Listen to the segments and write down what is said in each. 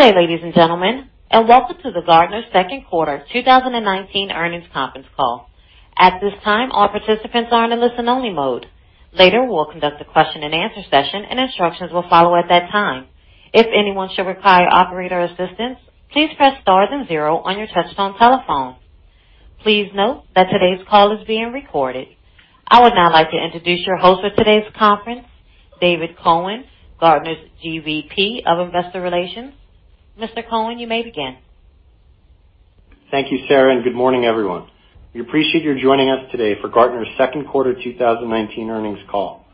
Good day, ladies and gentlemen, and welcome to Gartner's Second Quarter 2019 Earnings Conference Call. At this time, all participants are in a listen-only mode. Later, we'll conduct a question and answer session, and instructions will follow at that time. If anyone should require operator assistance, please press star then zero on your touch-tone telephone. Please note that today's call is being recorded. I would now like to introduce your host for today's conference, David Cohen, Gartner's GVP of Investor Relations. Mr. Cohen, you may begin. Thank you, Sarah. Good morning, everyone. We appreciate you joining us today for Gartner's Second Quarter 2019 Earnings Call.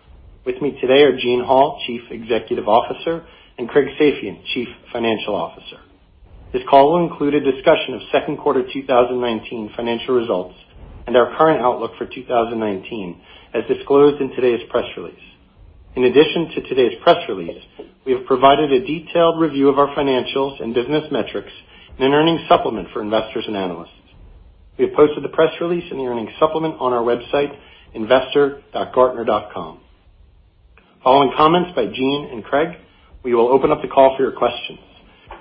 With me today are Gene Hall, Chief Executive Officer, and Craig Safian, Chief Financial Officer. This call will include a discussion of second quarter 2019 financial results and our current outlook for 2019, as disclosed in today's press release. In addition to today's press release, we have provided a detailed review of our financials and business metrics in an earnings supplement for investors and analysts. We have posted the press release and the earnings supplement on our website, investor.gartner.com. Following comments by Gene and Craig, we will open up the call for your questions.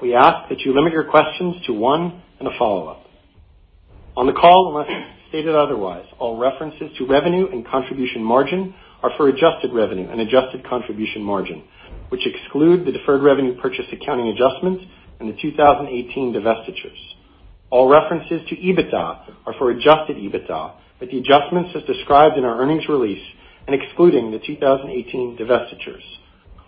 We ask that you limit your questions to one and a follow-up. On the call, unless stated otherwise, all references to revenue and contribution margin are for adjusted revenue and adjusted contribution margin, which exclude the deferred revenue purchase accounting adjustments and the 2018 divestitures. All references to EBITDA are for adjusted EBITDA, with the adjustments as described in our earnings release and excluding the 2018 divestitures.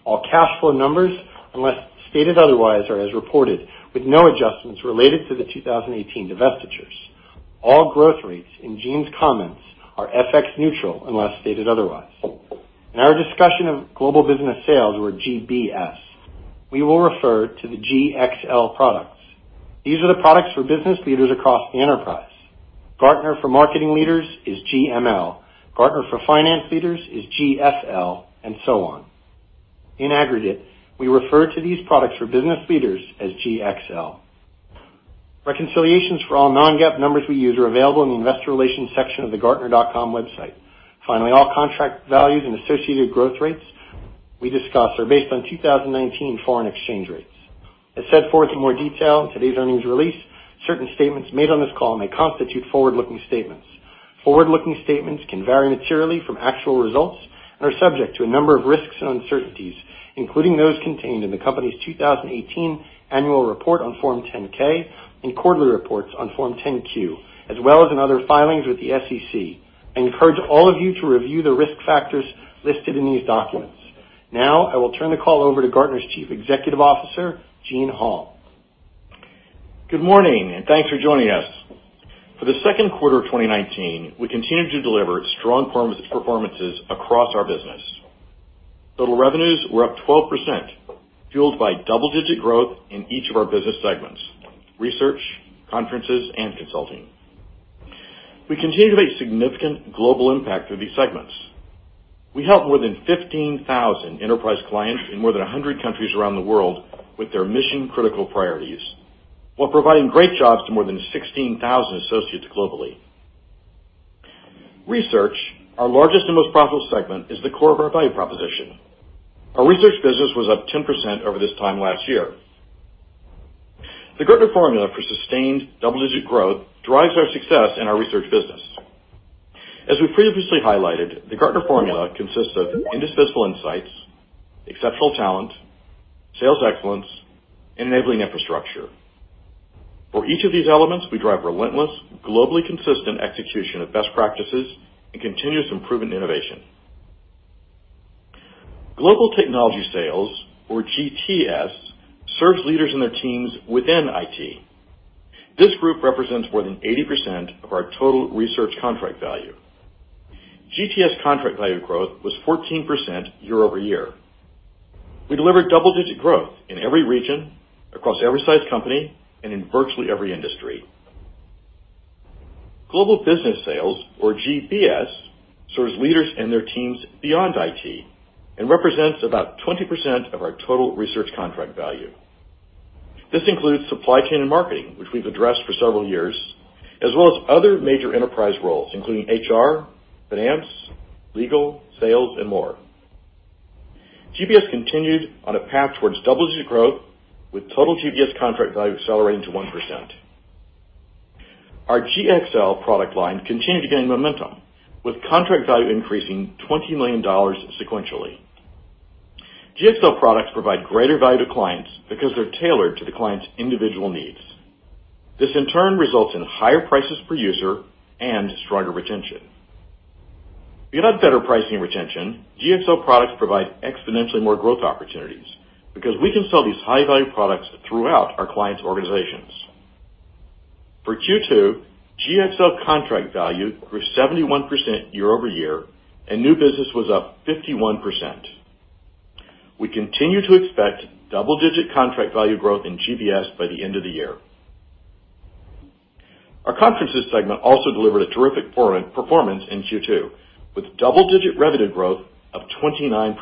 All cash flow numbers, unless stated otherwise, are as reported, with no adjustments related to the 2018 divestitures. All growth rates in Gene's comments are FX-neutral unless stated otherwise. In our discussion of global business sales, or GBS, we will refer to the GxL products. These are the products for business leaders across the enterprise. Gartner for marketing leaders is GML, Gartner for finance leaders is GFL, and so on. In aggregate, we refer to these products for business leaders as GxL. Reconciliations for all non-GAAP numbers we use are available in the investor relations section of the gartner.com website. Finally, all contract values and associated growth rates we discuss are based on 2019 foreign exchange rates. As set forth in more detail in today's earnings release, certain statements made on this call may constitute forward-looking statements. Forward-looking statements can vary materially from actual results and are subject to a number of risks and uncertainties, including those contained in the company's 2018 annual report on Form 10-K and quarterly reports on Form 10-Q, as well as in other filings with the SEC. I encourage all of you to review the risk factors listed in these documents. Now, I will turn the call over to Gartner's Chief Executive Officer, Gene Hall. Good morning, and thanks for joining us. For the second quarter of 2019, we continued to deliver strong performances across our business. Total revenues were up 12%, fueled by double-digit growth in each of our business segments, Research, conferences, and Consulting. We continue to make significant global impact through these segments. We help more than 15,000 enterprise clients in more than 100 countries around the world with their mission-critical priorities while providing great jobs to more than 16,000 associates globally. Research, our largest and most profitable segment, is the core of our value proposition. Our Research business was up 10% over this time last year. The Gartner Formula for sustained double-digit growth drives our success in our Research business. As we previously highlighted, the Gartner Formula consists of indispensable insights, exceptional talent, sales excellence, and enabling infrastructure. For each of these elements, we drive relentless, globally consistent execution of best practices and continuous improvement innovation. Global technology sales, or GTS, serves leaders and their teams within IT. This group represents more than 80% of our total research contract value. GTS contract value growth was 14% year-over-year. We delivered double-digit growth in every region, across every size company, and in virtually every industry. Global business sales, or GBS, serves leaders and their teams beyond IT and represents about 20% of our total research contract value. This includes supply chain and marketing, which we've addressed for several years, as well as other major enterprise roles, including HR, finance, legal, sales, and more. GBS continued on a path towards double-digit growth, with total GBS contract value accelerating to 1%. Our GxL product line continued to gain momentum, with contract value increasing $20 million sequentially. GxL products provide greater value to clients because they're tailored to the client's individual needs. This in turn results in higher prices per user and stronger retention. Beyond better pricing and retention, GxL products provide exponentially more growth opportunities because we can sell these high-value products throughout our clients' organizations. For Q2, GxL contract value grew 71% year-over-year, and new business was up 51%. We continue to expect double-digit contract value growth in GBS by the end of the year. Our conferences segment also delivered a terrific performance in Q2, with double-digit revenue growth of 29%.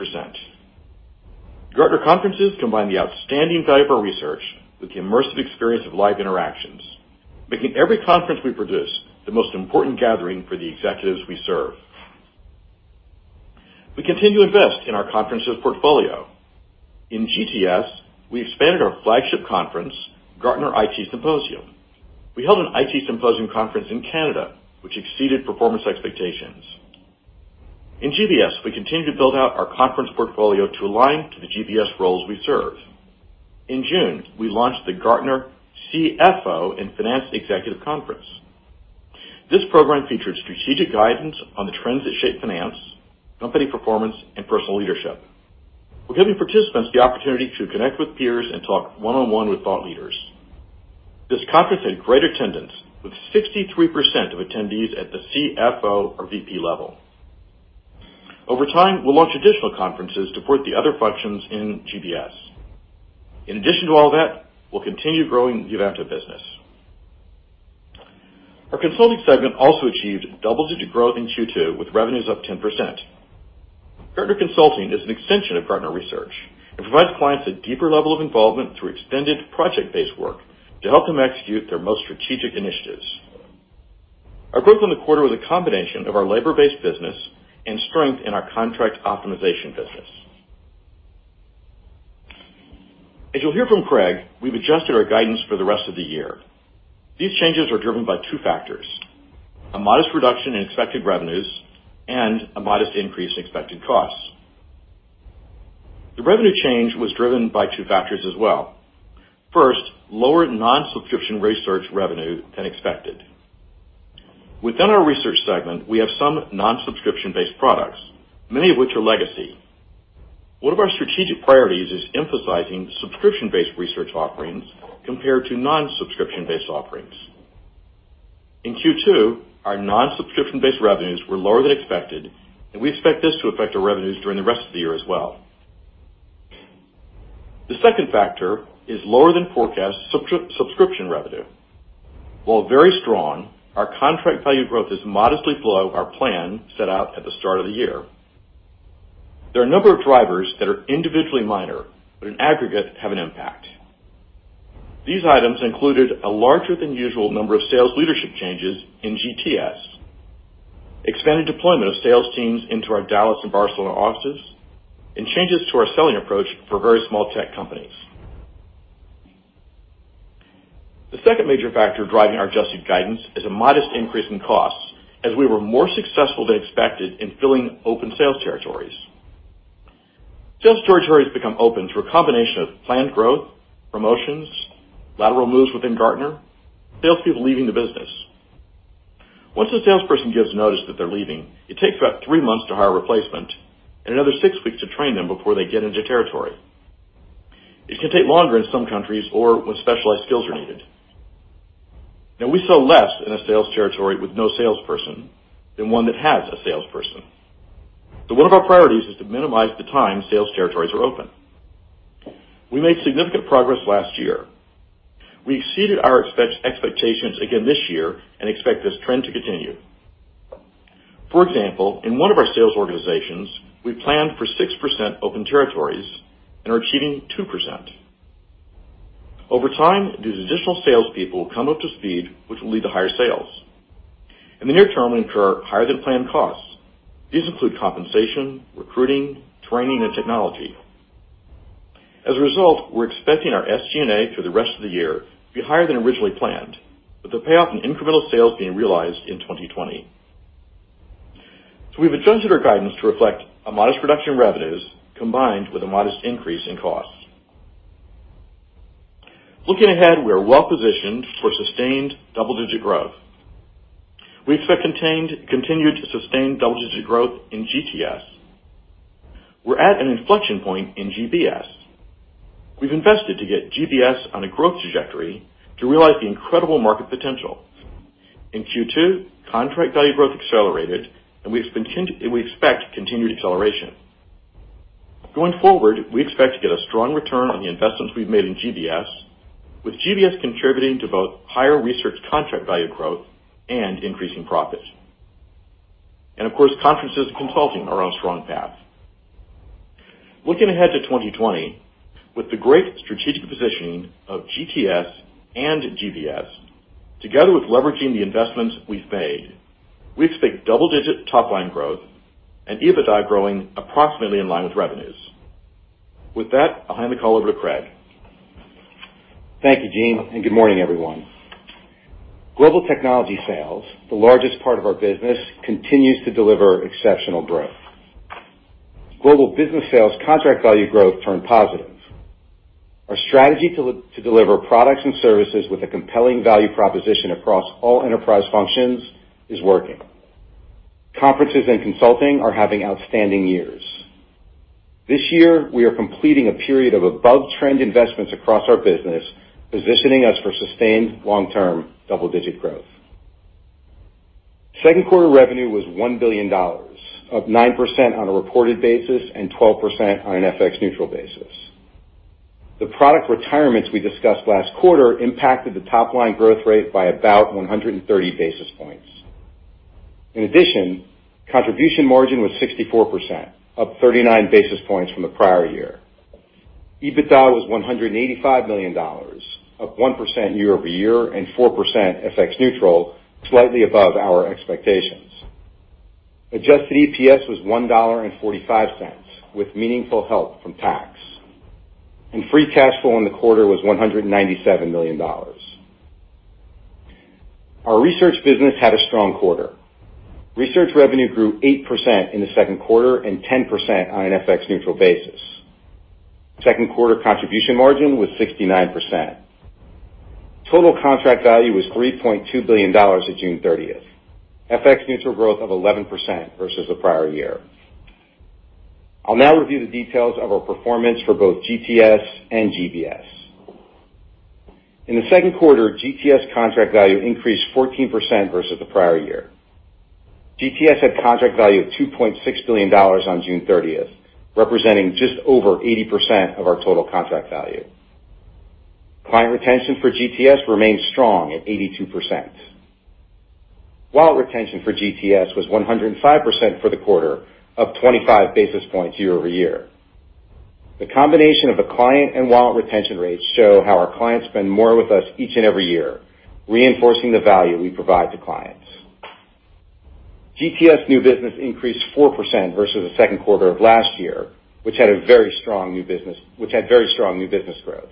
Gartner conferences combine the outstanding value of our research with the immersive experience of live interactions, making every conference we produce the most important gathering for the executives we serve. We continue to invest in our conferences portfolio. In GTS, we expanded our flagship conference, Gartner IT Symposium. We held a Gartner IT Symposium conference in Canada, which exceeded performance expectations. In GBS, we continued to build out our conference portfolio to align to the GBS roles we serve. In June, we launched the Gartner CFO and Finance Executive Conference. This program featured strategic guidance on the trends that shape finance, company performance, and personal leadership. We're giving participants the opportunity to connect with peers and talk one-on-one with thought leaders. This conference had great attendance, with 63% of attendees at the CFO or VP level. Over time, we'll launch additional conferences to support the other functions in GBS. In addition to all that, we'll continue growing the event business. Our Gartner Consulting segment also achieved double-digit growth in Q2, with revenues up 10%. Gartner Consulting is an extension of Gartner Research and provides clients a deeper level of involvement through extended project-based work to help them execute their most strategic initiatives. Our growth in the quarter was a combination of our labor-based business and strength in our contract optimization business. As you'll hear from Craig, we've adjusted our guidance for the rest of the year. These changes are driven by two factors: a modest reduction in expected revenues and a modest increase in expected costs. The revenue change was driven by two factors as well. First, lower non-subscription research revenue than expected. Within our research segment, we have some non-subscription-based products, many of which are legacy. One of our strategic priorities is emphasizing subscription-based research offerings compared to non-subscription-based offerings. In Q2, our non-subscription-based revenues were lower than expected, and we expect this to affect our revenues during the rest of the year as well. The second factor is lower than forecast subscription revenue. While very strong, our contract value growth is modestly below our plan set out at the start of the year. There are a number of drivers that are individually minor, but in aggregate have an impact. These items included a larger than usual number of sales leadership changes in GTS, expanded deployment of sales teams into our Dallas and Barcelona offices, and changes to our selling approach for very small tech companies. The second major factor driving our adjusted guidance is a modest increase in costs, as we were more successful than expected in filling open sales territories. Sales territories become open through a combination of planned growth, promotions, lateral moves within Gartner, salespeople leaving the business. Once a salesperson gives notice that they're leaving, it takes about three months to hire a replacement and another six weeks to train them before they get into territory. It can take longer in some countries or when specialized skills are needed. We sell less in a sales territory with no salesperson than one that has a salesperson. One of our priorities is to minimize the time sales territories are open. We made significant progress last year. We exceeded our expectations again this year and expect this trend to continue. For example, in one of our sales organizations, we planned for 6% open territories and are achieving 2%. Over time, these additional salespeople will come up to speed, which will lead to higher sales. In the near term, we incur higher than planned costs. These include compensation, recruiting, training, and technology. As a result, we're expecting our SG&A for the rest of the year to be higher than originally planned, with the payoff in incremental sales being realized in 2020. We've adjusted our guidance to reflect a modest reduction in revenues combined with a modest increase in costs. Looking ahead, we are well-positioned for sustained double-digit growth. We expect continued sustained double-digit growth in GTS. We're at an inflection point in GBS. We've invested to get GBS on a growth trajectory to realize the incredible market potential. In Q2, contract value growth accelerated, and we expect continued acceleration. Going forward, we expect to get a strong return on the investments we've made in GBS, with GBS contributing to both higher research contract value growth and increasing profit. Of course, conferences and consulting are on strong paths. Looking ahead to 2020, with the great strategic positioning of GTS and GBS, together with leveraging the investments we've made, we expect double-digit top-line growth and EBITDA growing approximately in line with revenues. With that, I'll hand the call over to Craig. Thank you, Gene. Good morning, everyone. Global technology sales, the largest part of our business, continues to deliver exceptional growth. Global business sales contract value growth turned positive. Our strategy to deliver products and services with a compelling value proposition across all enterprise functions is working. Conferences and consulting are having outstanding years. This year, we are completing a period of above-trend investments across our business, positioning us for sustained long-term double-digit growth. Second quarter revenue was $1 billion, up 9% on a reported basis and 12% on an FX-neutral basis. The product retirements we discussed last quarter impacted the top-line growth rate by about 130 basis points. In addition, contribution margin was 64%, up 39 basis points from the prior year. EBITDA was $185 million, up 1% year-over-year and 4% FX-neutral, slightly above our expectations. Adjusted EPS was $1.45 with meaningful help from tax. Free cash flow in the quarter was $197 million. Our research business had a strong quarter. Research revenue grew 8% in the second quarter and 10% on an FX-neutral basis. Second quarter contribution margin was 69%. Total contract value was $3.2 billion at June 30th. FX-neutral growth of 11% versus the prior year. I'll now review the details of our performance for both GTS and GBS. In the second quarter, GTS contract value increased 14% versus the prior year. GTS had contract value of $2.6 billion on June 30th, representing just over 80% of our total contract value. Client retention for GTS remains strong at 82%. Wallet retention for GTS was 105% for the quarter, up 25 basis points year-over-year. The combination of the client and wallet retention rates show how our clients spend more with us each and every year, reinforcing the value we provide to clients. GTS new business increased 4% versus the second quarter of last year, which had very strong new business growth.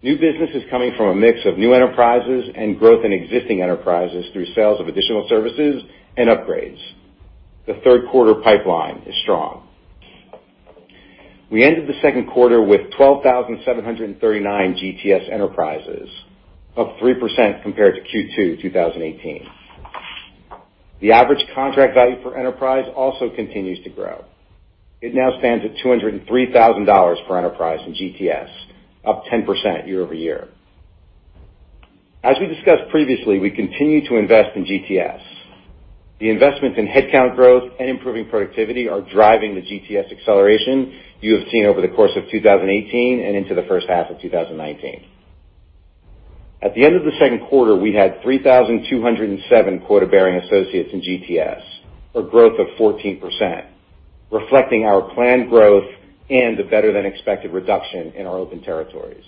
New business is coming from a mix of new enterprises and growth in existing enterprises through sales of additional services and upgrades. The third quarter pipeline is strong. We ended the second quarter with 12,739 GTS enterprises, up 3% compared to Q2 2018. The average contract value per enterprise also continues to grow. It now stands at $203,000 per enterprise in GTS, up 10% year-over-year. As we discussed previously, we continue to invest in GTS. The investments in headcount growth and improving productivity are driving the GTS acceleration you have seen over the course of 2018 and into the first half of 2019. At the end of the second quarter, we had 3,207 quota-bearing associates in GTS, a growth of 14%, reflecting our planned growth and the better-than-expected reduction in our open territories.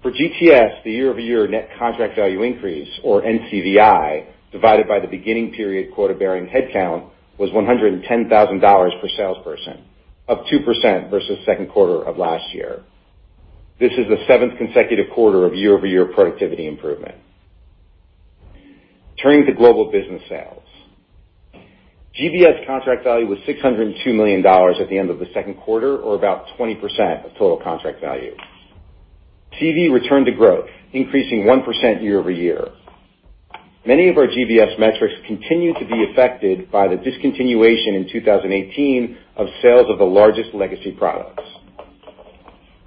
For GTS, the year-over-year net contract value increase, or NCVI, divided by the beginning period quota-bearing headcount was $110,000 per salesperson, up 2% versus second quarter of last year. This is the seventh consecutive quarter of year-over-year productivity improvement. Turning to Global Business Sales. GBS contract value was $602 million at the end of the second quarter, or about 20% of total contract value. CV returned to growth, increasing 1% year-over-year. Many of our GBS metrics continue to be affected by the discontinuation in 2018 of sales of the largest legacy products.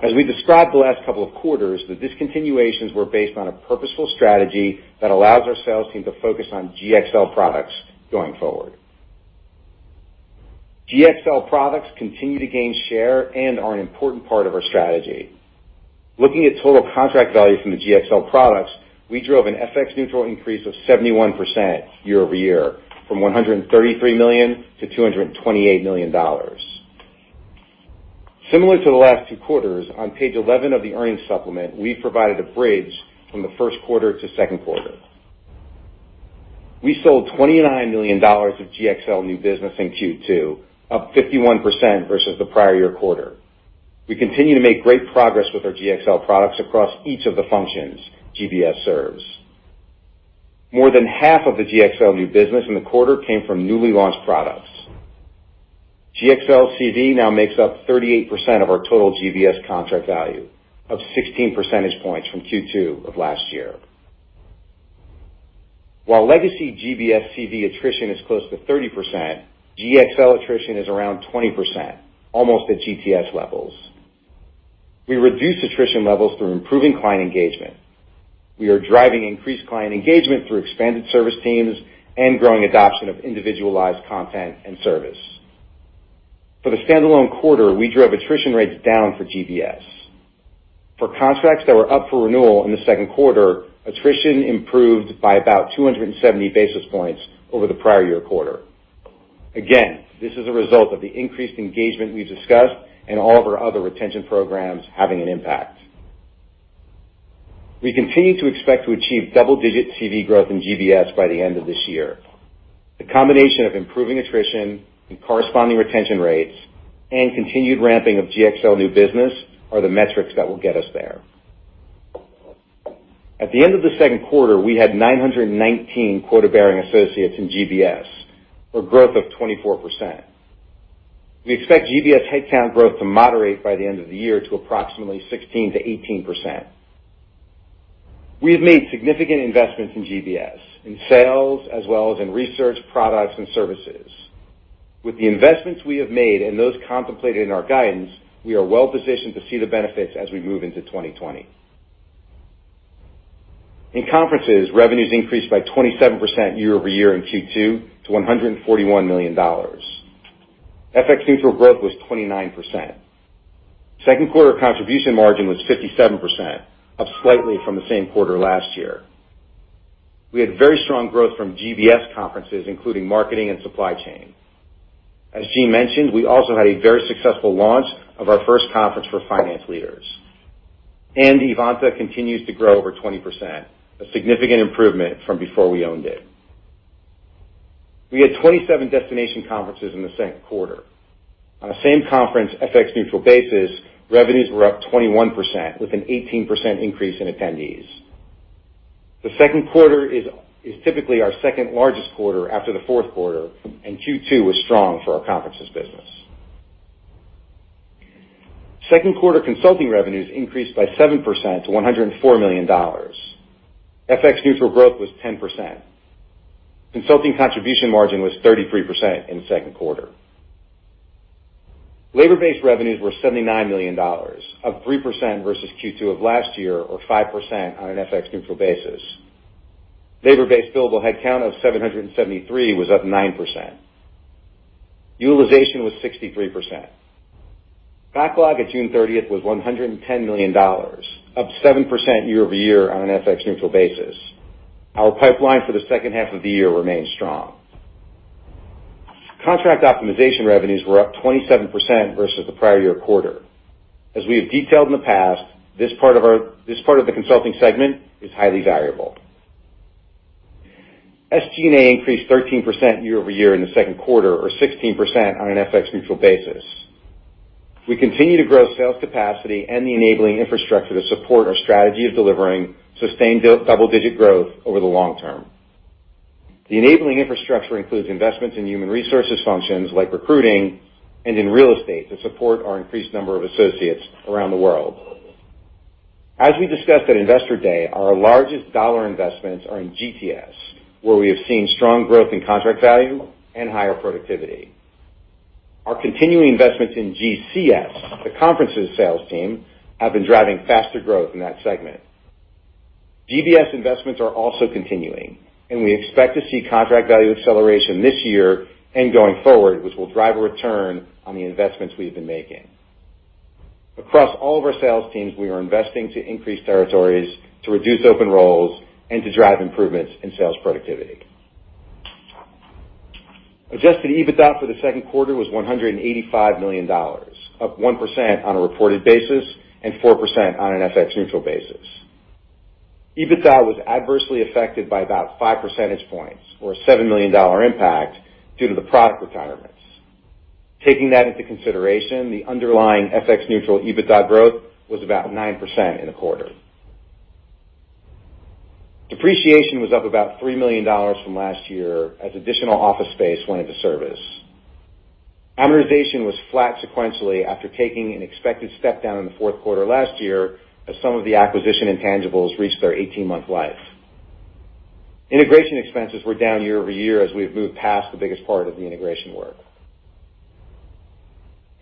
As we described the last couple of quarters, the discontinuations were based on a purposeful strategy that allows our sales team to focus on GxL products going forward. GxL products continue to gain share and are an important part of our strategy. Looking at total contract value from the GxL products, we drove an FX-neutral increase of 71% year-over-year from $133 million-$228 million. Similar to the last two quarters, on page 11 of the earnings supplement, we provided a bridge from the first quarter to second quarter. We sold $29 million of GxL new business in Q2, up 51% versus the prior year quarter. We continue to make great progress with our GxL products across each of the functions GBS serves. More than half of the GxL new business in the quarter came from newly launched products. GxL CV now makes up 38% of our total GBS contract value, up 16 percentage points from Q2 of last year. While legacy GBS CV attrition is close to 30%, GxL attrition is around 20%, almost at GTS levels. We reduce attrition levels through improving client engagement. We are driving increased client engagement through expanded service teams and growing adoption of individualized content and service. For the standalone quarter, we drove attrition rates down for GBS. For contracts that were up for renewal in the second quarter, attrition improved by about 270 basis points over the prior year quarter. This is a result of the increased engagement we've discussed and all of our other retention programs having an impact. We continue to expect to achieve double-digit CV growth in GBS by the end of this year. The combination of improving attrition and corresponding retention rates and continued ramping of GxL new business are the metrics that will get us there. At the end of the second quarter, we had 919 quota-bearing associates in GBS, or growth of 24%. We expect GBS headcount growth to moderate by the end of the year to approximately 16%-18%. We have made significant investments in GBS, in sales, as well as in research products and services. With the investments we have made and those contemplated in our guidance, we are well positioned to see the benefits as we move into 2020. In conferences, revenues increased by 27% year-over-year in Q2 to $141 million. FX-neutral growth was 29%. Second quarter contribution margin was 57%, up slightly from the same quarter last year. We had very strong growth from GBS conferences, including marketing and supply chain. As Gene mentioned, we also had a very successful launch of our first conference for finance leaders. Evanta continues to grow over 20%, a significant improvement from before we owned it. We had 27 destination conferences in the second quarter. On a same conference FX-neutral basis, revenues were up 21%, with an 18% increase in attendees. The second quarter is typically our second-largest quarter after the fourth quarter, and Q2 was strong for our conferences business. Second quarter consulting revenues increased by 7% to $104 million. FX-neutral growth was 10%. Consulting contribution margin was 33% in the second quarter. Labor-based revenues were $79 million, up 3% versus Q2 of last year or 5% on an FX-neutral basis. Labor-based billable headcount of 773 was up 9%. Utilization was 63%. Backlog at June 30th was $110 million, up 7% year-over-year on an FX-neutral basis. Our pipeline for the second half of the year remains strong. Contract optimization revenues were up 27% versus the prior year quarter. As we have detailed in the past, this part of the consulting segment is highly variable. SG&A increased 13% year-over-year in the second quarter, or 16% on an FX-neutral basis. We continue to grow sales capacity and the enabling infrastructure to support our strategy of delivering sustained double-digit growth over the long term. The enabling infrastructure includes investments in human resources functions like recruiting and in real estate to support our increased number of associates around the world. As we discussed at Investor Day, our largest dollar investments are in GTS, where we have seen strong growth in contract value and higher productivity. Our continuing investments in GCS, the conferences sales team, have been driving faster growth in that segment. GBS investments are also continuing, we expect to see contract value acceleration this year and going forward, which will drive a return on the investments we've been making. Across all of our sales teams, we are investing to increase territories, to reduce open roles, and to drive improvements in sales productivity. Adjusted EBITDA for the second quarter was $185 million, up 1% on a reported basis and 4% on an FX-neutral basis. EBITDA was adversely affected by about 5 percentage points or a $7 million impact due to the product retirements. Taking that into consideration, the underlying FX-neutral EBITDA growth was about 9% in the quarter. Depreciation was up about $3 million from last year as additional office space went into service. Amortization was flat sequentially after taking an expected step-down in the fourth quarter last year as some of the acquisition intangibles reached their 18-month life. Integration expenses were down year-over-year as we have moved past the biggest part of the integration work.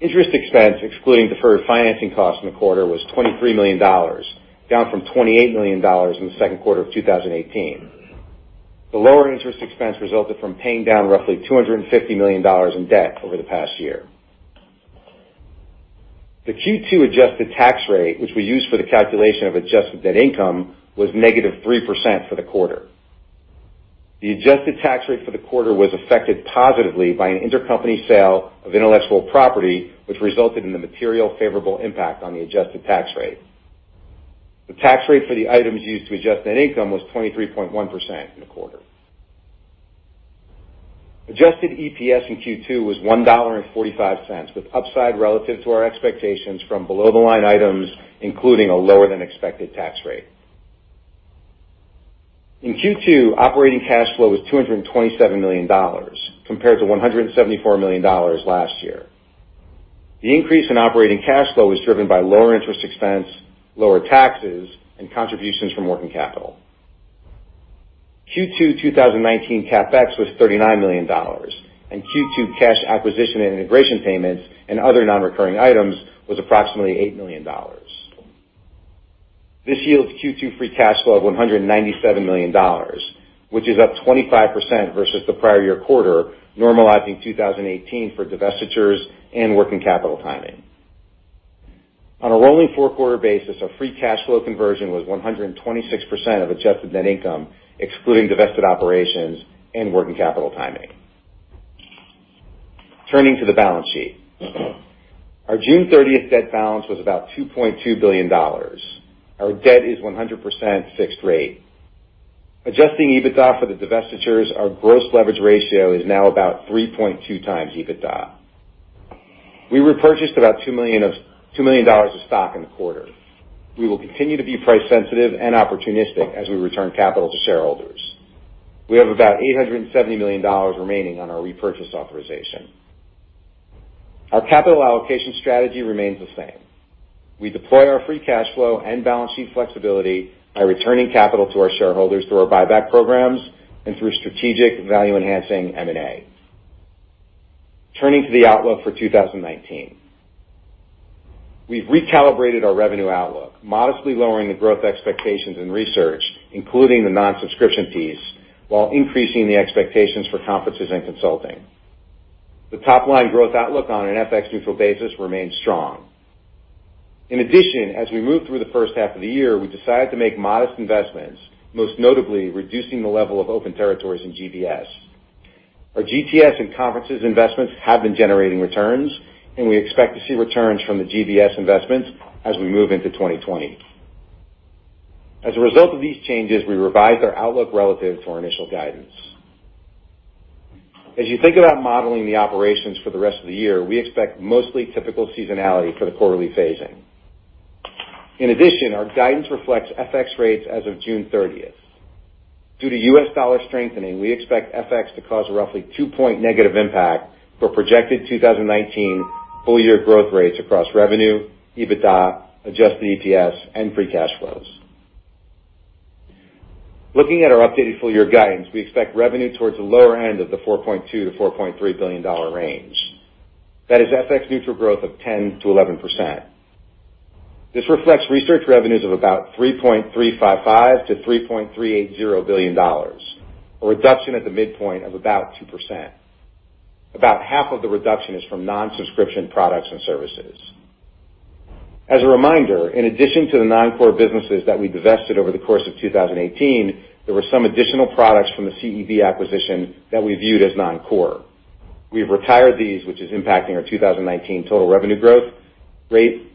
Interest expense, excluding deferred financing costs in the quarter, was $23 million, down from $28 million in the second quarter of 2018. The lower interest expense resulted from paying down roughly $250 million in debt over the past year. The Q2 adjusted tax rate, which we use for the calculation of adjusted net income, was -3% for the quarter. The adjusted tax rate for the quarter was affected positively by an intercompany sale of intellectual property, which resulted in the material favorable impact on the adjusted tax rate. The tax rate for the items used to adjust net income was 23.1% in the quarter. Adjusted EPS in Q2 was $1.45, with upside relative to our expectations from below-the-line items, including a lower-than-expected tax rate. In Q2, operating cash flow was $227 million, compared to $174 million last year. The increase in operating cash flow was driven by lower interest expense, lower taxes, and contributions from working capital. Q2 2019 CapEx was $39 million, and Q2 cash acquisition and integration payments and other non-recurring items was approximately $8 million. This yields Q2 free cash flow of $197 million, which is up 25% versus the prior year quarter, normalizing 2018 for divestitures and working capital timing. On a rolling four-quarter basis, our free cash flow conversion was 126% of adjusted net income, excluding divested operations and working capital timing. Turning to the balance sheet. Our June 30th debt balance was about $2.2 billion. Our debt is 100% fixed rate. Adjusting EBITDA for the divestitures, our gross leverage ratio is now about 3.2x EBITDA. We repurchased about $2 million of stock in the quarter. We will continue to be price sensitive and opportunistic as we return capital to shareholders. We have about $870 million remaining on our repurchase authorization. Our capital allocation strategy remains the same. We deploy our free cash flow and balance sheet flexibility by returning capital to our shareholders through our buyback programs and through strategic value-enhancing M&A. Turning to the outlook for 2019. We've recalibrated our revenue outlook, modestly lowering the growth expectations in research, including the non-subscription fees, while increasing the expectations for conferences and consulting. The top-line growth outlook on an FX-neutral basis remains strong. In addition, as we moved through the first half of the year, we decided to make modest investments, most notably reducing the level of open territories in GBS. Our GTS and conferences investments have been generating returns, and we expect to see returns from the GBS investments as we move into 2020. As a result of these changes, we revised our outlook relative to our initial guidance. As you think about modeling the operations for the rest of the year, we expect mostly typical seasonality for the quarterly phasing. In addition, our guidance reflects FX rates as of June 30th. Due to U.S. dollar strengthening, we expect FX to cause a roughly -2.0 Impact for projected 2019 full-year growth rates across revenue, EBITDA, adjusted EPS, and free cash flows. Looking at our updated full-year guidance, we expect revenue towards the lower end of the $4.2 billion-$4.3 billion range. That is FX-neutral growth of 10%-11%. This reflects research revenues of about $3.355 billion-$3.380 billion, a reduction at the midpoint of about 2%. About half of the reduction is from non-subscription products and services. As a reminder, in addition to the non-core businesses that we divested over the course of 2018, there were some additional products from the CEB acquisition that we viewed as non-core. We've retired these, which is impacting our 2019 total revenue growth rate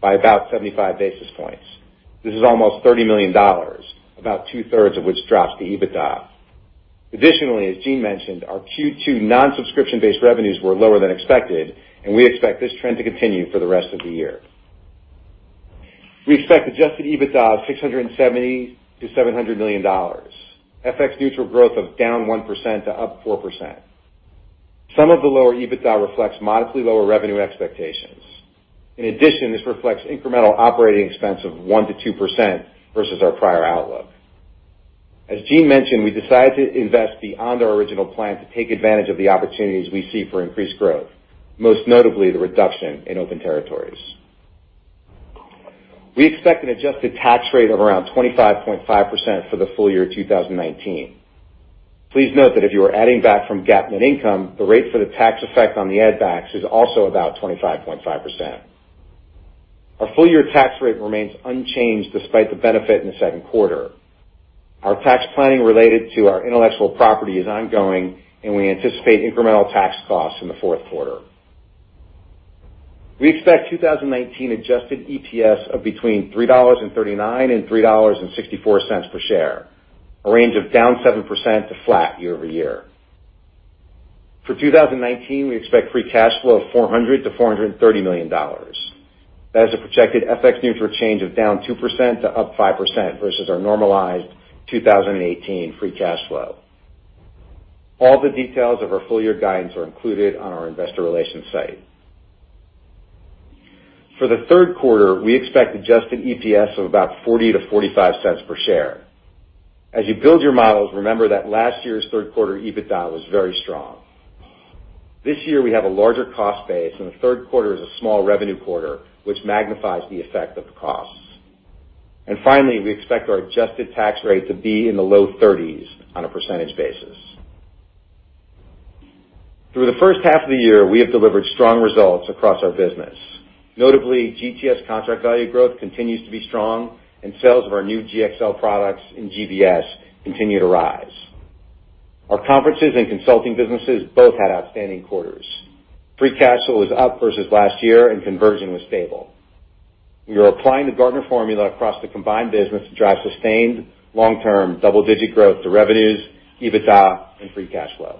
by about 75 basis points. This is almost $30 million, about two-thirds of which drops to EBITDA. Additionally, as Gene mentioned, our Q2 non-subscription-based revenues were lower than expected, and we expect this trend to continue for the rest of the year. We expect adjusted EBITDA of $670 million-$700 million, FX-neutral growth of -1% -+4%. Some of the lower EBITDA reflects modestly lower revenue expectations. In addition, this reflects incremental operating expense of 1%-2% versus our prior outlook. As Gene mentioned, we decided to invest beyond our original plan to take advantage of the opportunities we see for increased growth, most notably the reduction in open territories. We expect an adjusted tax rate of around 25.5% for the full year 2019. Please note that if you are adding back from GAAP net income, the rate for the tax effect on the add backs is also about 25.5%. Our full-year tax rate remains unchanged despite the benefit in the second quarter. Our tax planning related to our intellectual property is ongoing, and we anticipate incremental tax costs in the fourth quarter. We expect 2019 adjusted EPS of between $3.39 and $3.64 per share, a range of down 7% to flat year-over-year. For 2019, we expect free cash flow of $400 million-$430 million. That is a projected FX-neutral change of down 2%-+5% versus our normalized 2018 free cash flow. All the details of our full-year guidance are included on our investor relations site. For the third quarter, we expect adjusted EPS of about $0.40-$0.45 per share. As you build your models, remember that last year's third quarter EBITDA was very strong. This year, we have a larger cost base, and the third quarter is a small revenue quarter, which magnifies the effect of the costs. Finally, we expect our adjusted tax rate to be in the low 30s on a percentage basis. Through the first half of the year, we have delivered strong results across our business. Notably, GTS contract value growth continues to be strong, and sales of our new GxL products in GBS continue to rise. Our conferences and consulting businesses both had outstanding quarters. Free cash flow was up versus last year, and conversion was stable. We are applying the Gartner Formula across the combined business to drive sustained long-term double-digit growth to revenues, EBITDA, and free cash flow.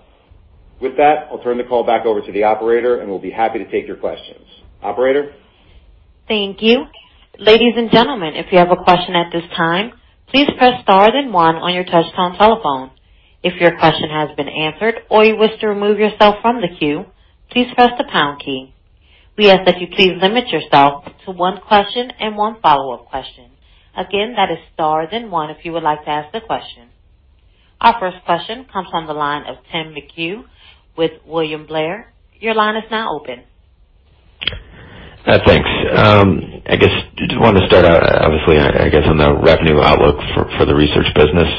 With that, I'll turn the call back over to the operator, and we'll be happy to take your questions. Operator? Thank you. Ladies and gentlemen, if you have a question at this time, please press star then one on your touchtone telephone. If your question has been answered or you wish to remove yourself from the queue, please press the pound key. We ask that you please limit yourself to one question and one follow-up question. Again, that is star then one if you would like to ask a question. Our first question comes on the line of Tim McHugh with William Blair. Your line is now open. Thanks. I guess just wanted to start out, obviously, I guess, on the revenue outlook for the Gartner Research business.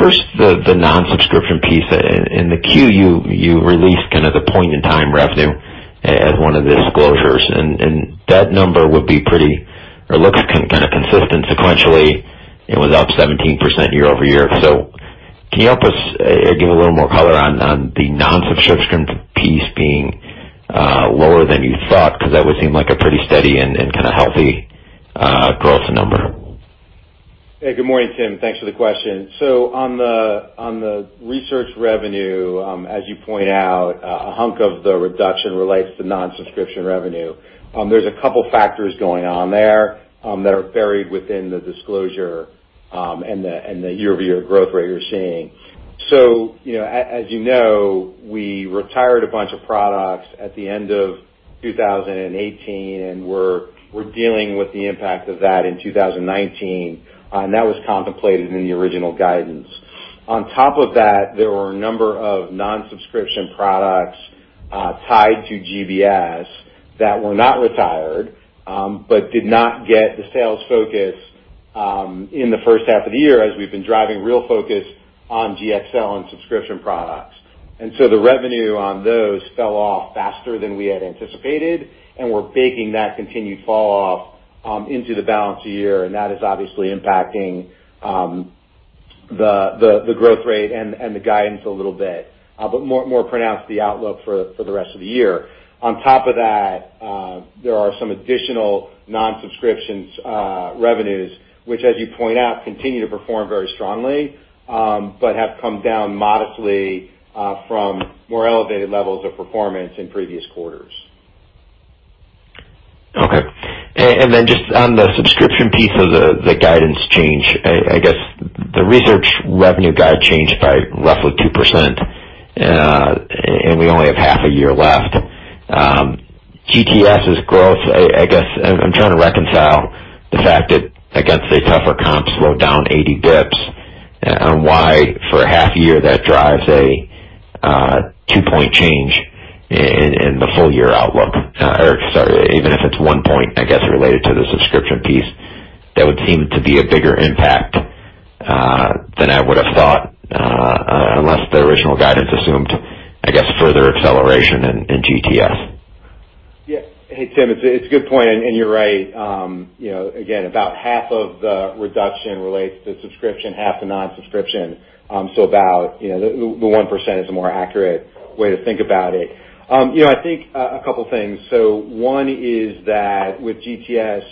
First, the non-subscription piece. In the 10-Q, you released the point-in-time revenue as one of the disclosures, that number would be pretty or looks kind of consistent sequentially. It was up 17% year-over-year. Can you help us give a little more color on the non-subscription piece being lower than you thought? That would seem like a pretty steady and kind of healthy growth number. Hey, good morning, Tim. Thanks for the question. On the research revenue, as you point out, a hunk of the reduction relates to non-subscription revenue. There's a couple of factors going on there that are buried within the disclosure, and the year-over-year growth rate you're seeing. As you know, we retired a bunch of products at the end of 2018, and we're dealing with the impact of that in 2019. That was contemplated in the original guidance. On top of that, there were a number of non-subscription products tied to GBS that were not retired but did not get the sales focus in the first half of the year, as we've been driving real focus on GxL and subscription products. The revenue on those fell off faster than we had anticipated, and we're baking that continued fall-off into the balance of the year, and that is obviously impacting the growth rate and the guidance a little bit. More pronounced the outlook for the rest of the year. On top of that, there are some additional non-subscriptions revenues, which as you point out, continue to perform very strongly, but have come down modestly from more elevated levels of performance in previous quarters. Okay. Then just on the subscription piece of the guidance change, I guess the research revenue guide changed by roughly 2%, and we only have half a year left. GTS's growth, I'm trying to reconcile the fact that against a tougher comps slowdown, 80 basis points, on why for a half year that drives a two-point change in the full year outlook. Sorry, even if it's one point, I guess, related to the subscription piece, that would seem to be a bigger impact than I would've thought. Unless the original guidance assumed, I guess, further acceleration in GTS. Yeah. Hey, Tim, it's a good point, and you're right. Again, about half of the reduction relates to subscription, half to non-subscription. About the 1% is a more accurate way to think about it. I think a couple things. One is that with GTS,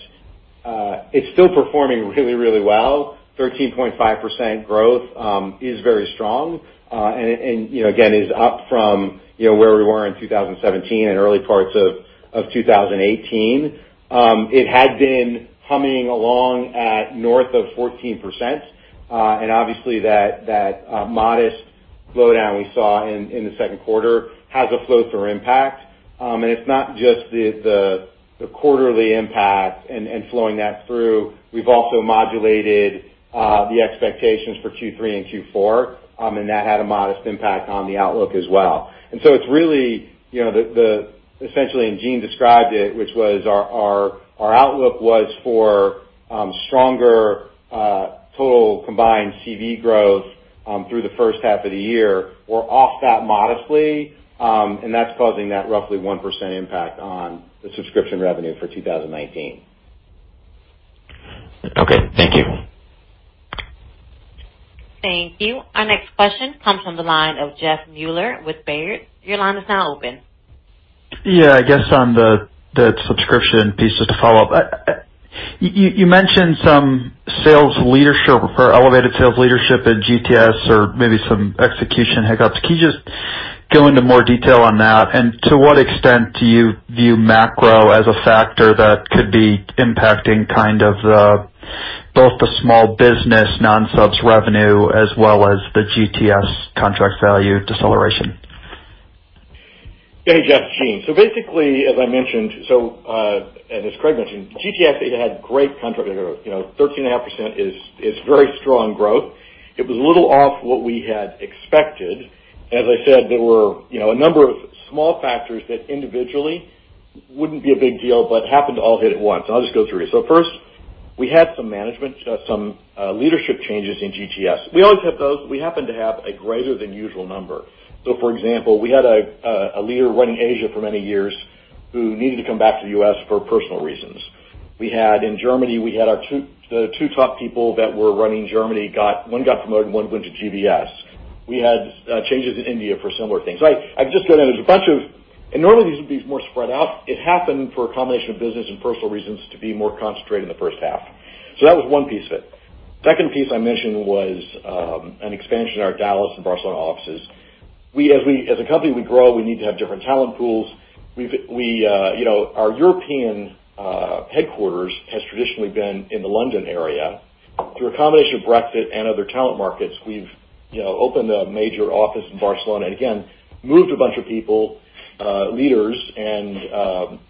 it's still performing really, really well. 13.5% growth is very strong. Again, is up from where we were in 2017 and early parts of 2018. It had been humming along at north of 14%. Obviously that modest slowdown we saw in the second quarter has a flow-through impact. It's not just the quarterly impact and flowing that through. We've also modulated the expectations for Q3 and Q4. That had a modest impact on the outlook as well. Essentially, Gene described it, which was our outlook was for stronger total combined CV growth through the first half of the year. We're off that modestly. That's causing that roughly 1% impact on the subscription revenue for 2019. Okay, thank you. Thank you. Our next question comes from the line of Jeff Meuler with Baird. Your line is now open. I guess on the subscription piece, just to follow up. You mentioned some sales leadership or elevated sales leadership at GTS or maybe some execution hiccups. Can you just go into more detail on that? To what extent do you view macro as a factor that could be impacting both the small business non-subs revenue as well as the GTS contract value deceleration? Hey, Jeff. Gene. Basically, as I mentioned, and as Craig mentioned, GTS had great contract. 13.5% is very strong growth. It was a little off what we had expected. As I said, there were a number of small factors that individually wouldn't be a big deal but happened to all hit at once. I'll just go through it. First, we had some management, some leadership changes in GTS. We always have those. We happened to have a greater than usual number. For example, we had a leader running Asia for many years who needed to come back to the U.S. for personal reasons. In Germany, we had the two top people that were running Germany, one got promoted and one went to GBS. We had changes in India for similar things. I could just go down. Normally these would be more spread out. It happened for a combination of business and personal reasons to be more concentrated in the first half. That was one piece of it. Second piece I mentioned was an expansion in our Dallas and Barcelona offices. As a company, we grow, we need to have different talent pools. Our European headquarters has traditionally been in the London area. Through a combination of Brexit and other talent markets, we've opened a major office in Barcelona. Again, moved a bunch of people, leaders into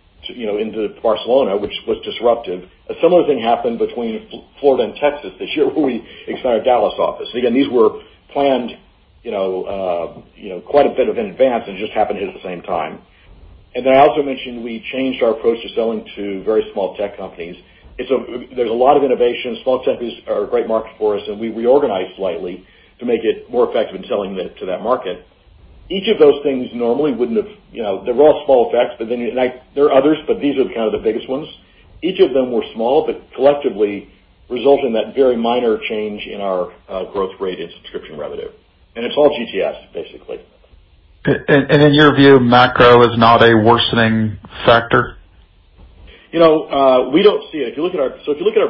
Barcelona, which was disruptive. A similar thing happened between Florida and Texas this year when we expanded our Dallas office. Again, these were planned quite a bit in advance, and it just happened to hit at the same time. Then I also mentioned we changed our approach to selling to very small tech companies. There's a lot of innovation. Small tech companies are a great market for us, and we reorganized slightly to make it more effective in selling to that market. Each of those things, they were all small effects. There are others, but these are kind of the biggest ones. Each of them were small, but collectively result in that very minor change in our growth rate in subscription revenue. It's all GTS, basically. In your view, macro is not a worsening factor? We don't see it. If you look at our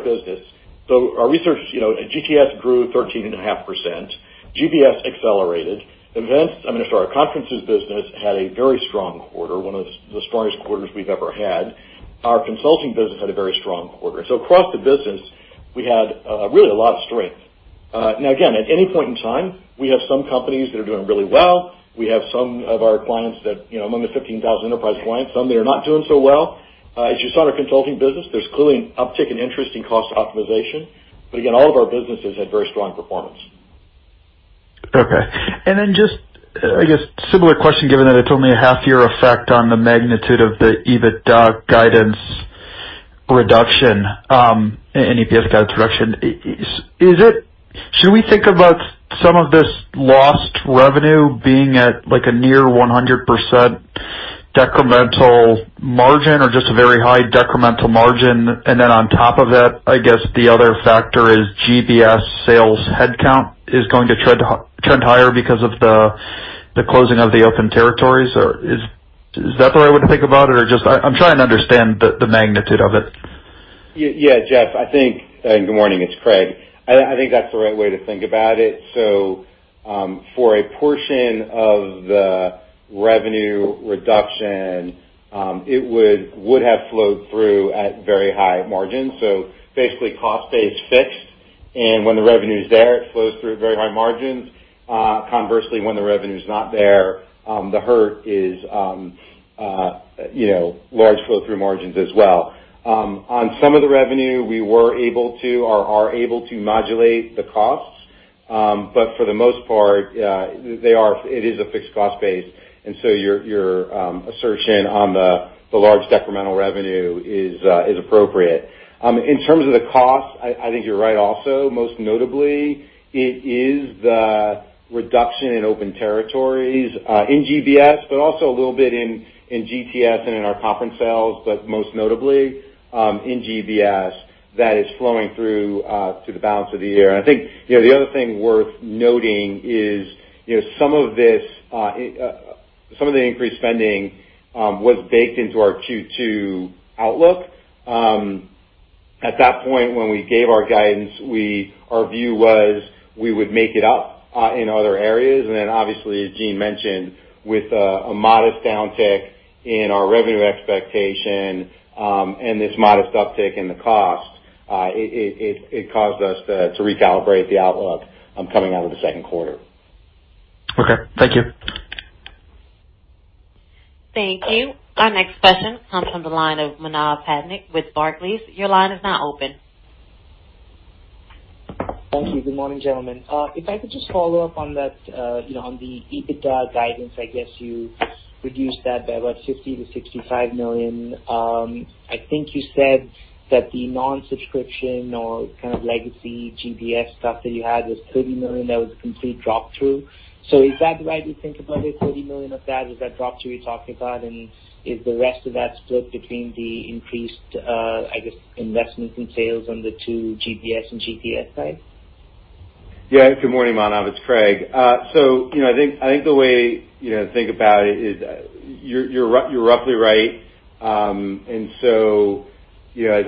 business, our research at GTS grew 13.5%. GBS accelerated. Events, our conferences business, had a very strong quarter, one of the strongest quarters we've ever had. Our consulting business had a very strong quarter. Across the business, we had really a lot of strength. Now again, at any point in time, we have some companies that are doing really well. We have some of our clients that among the 15,000 enterprise clients, some that are not doing so well. As you saw in our consulting business, there's clearly an uptick in interest in cost optimization. Again, all of our businesses had very strong performance. Okay. Then just, I guess, similar question, given that it's only a half year effect on the magnitude of the EBITDA guidance reduction, and EPS guidance reduction. Should we think about some of this lost revenue being at a near 100% decremental margin or just a very high decremental margin? On top of that, I guess the other factor is GBS sales headcount is going to trend higher because of the closing of the open territories? Is that the right way to think about it? I'm trying to understand the magnitude of it. Yeah, Jeff. Good morning. It's Craig. I think that's the right way to think about it. For a portion of the revenue reduction, it would have flowed through at very high margins. Basically, cost base fixed, and when the revenue's there, it flows through at very high margins. Conversely, when the revenue's not there, the hurt is large flow through margins as well. On some of the revenue, we are able to modulate the costs. For the most part, it is a fixed cost base, your assertion on the large decremental revenue is appropriate. In terms of the cost, I think you're right also. Most notably, it is the reduction in open territories, in GBS, but also a little bit in GTS and in our conference sales, but most notably, in GBS that is flowing through to the balance of the year. I think the other thing worth noting is some of the increased spending was baked into our Q2 outlook. At that point when we gave our guidance, our view was we would make it up in other areas. Obviously, as Gene mentioned, with a modest downtick in our revenue expectation, and this modest uptick in the cost, it caused us to recalibrate the outlook coming out of the second quarter. Okay. Thank you. Thank you. Our next question comes from the line of Manav Patnaik with Barclays. Your line is now open. Thank you. Good morning, gentlemen. If I could just follow up on the EBITDA guidance, I guess you reduced that by what, $50 million-$65 million? I think you said that the non-subscription or kind of legacy GBS stuff that you had was $30 million, that was a complete drop-through. Is that the way to think about it, $30 million of that is that drop-through you're talking about, and is the rest of that split between the increased, I guess, investments in sales on the two GBS and GTS side? Yeah. Good morning, Manav. It's Craig. I think the way to think about it is you're roughly right. As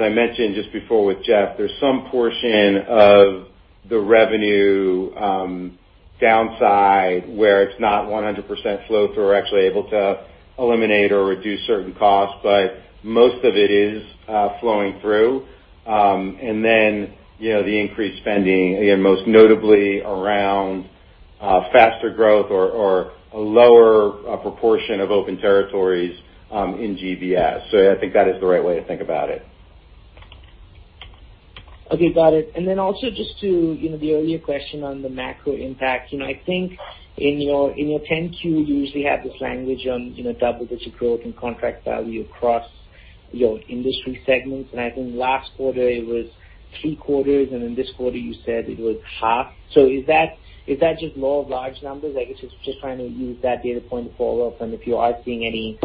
I mentioned just before with Jeff, there's some portion of the revenue downside where it's not 100% flow-through or actually able to eliminate or reduce certain costs, but most of it is flowing through. The increased spending, again, most notably around faster growth or a lower proportion of open territories in GBS. I think that is the right way to think about it. Okay, got it. Then also just to the earlier question on the macro impact. I think in your 10-Q, you usually have this language on double-digit growth and contract value across your industry segments. I think last quarter it was three quarters, and in this quarter you said it was half. Is that just law of large numbers? I guess it's just trying to use that data point to follow up on if you are seeing any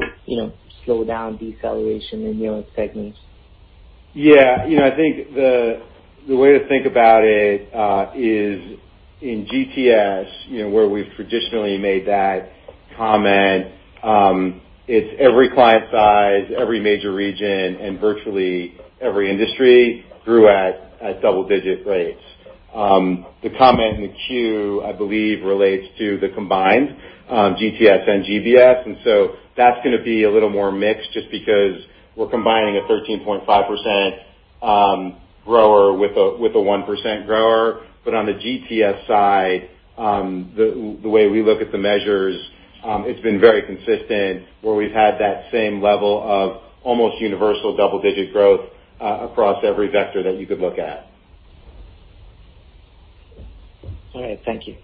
slowdown, deceleration in your segments. Yeah. I think the way to think about it is in GTS, where we've traditionally made that comment. It's every client size, every major region, and virtually every industry grew at double-digit rates. The comment in Q, I believe, relates to the combined GTS and GBS. That's going to be a little more mixed just because we're combining a 13.5% grower with a 1% grower. On the GTS side, the way we look at the measures, it's been very consistent where we've had that same level of almost universal double-digit growth across every vector that you could look at. All right. Thank you.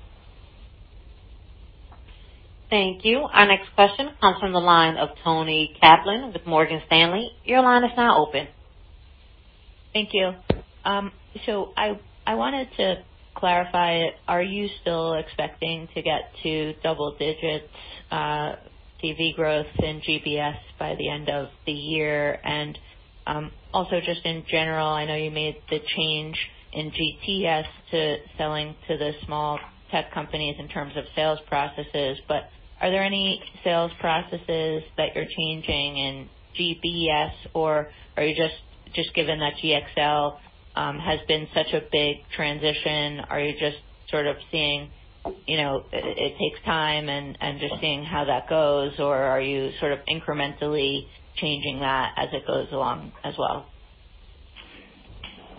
Thank you. Our next question comes from the line of Toni Kaplan with Morgan Stanley. Your line is now open. Thank you. I wanted to clarify, are you still expecting to get to double digits CV growth in GBS by the end of the year? Also just in general, I know you made the change in GTS to selling to the small tech companies in terms of sales processes, but are there any sales processes that you're changing in GBS or just given that GxL has been such a big transition, are you just sort of seeing it takes time and just seeing how that goes, or are you sort of incrementally changing that as it goes along as well?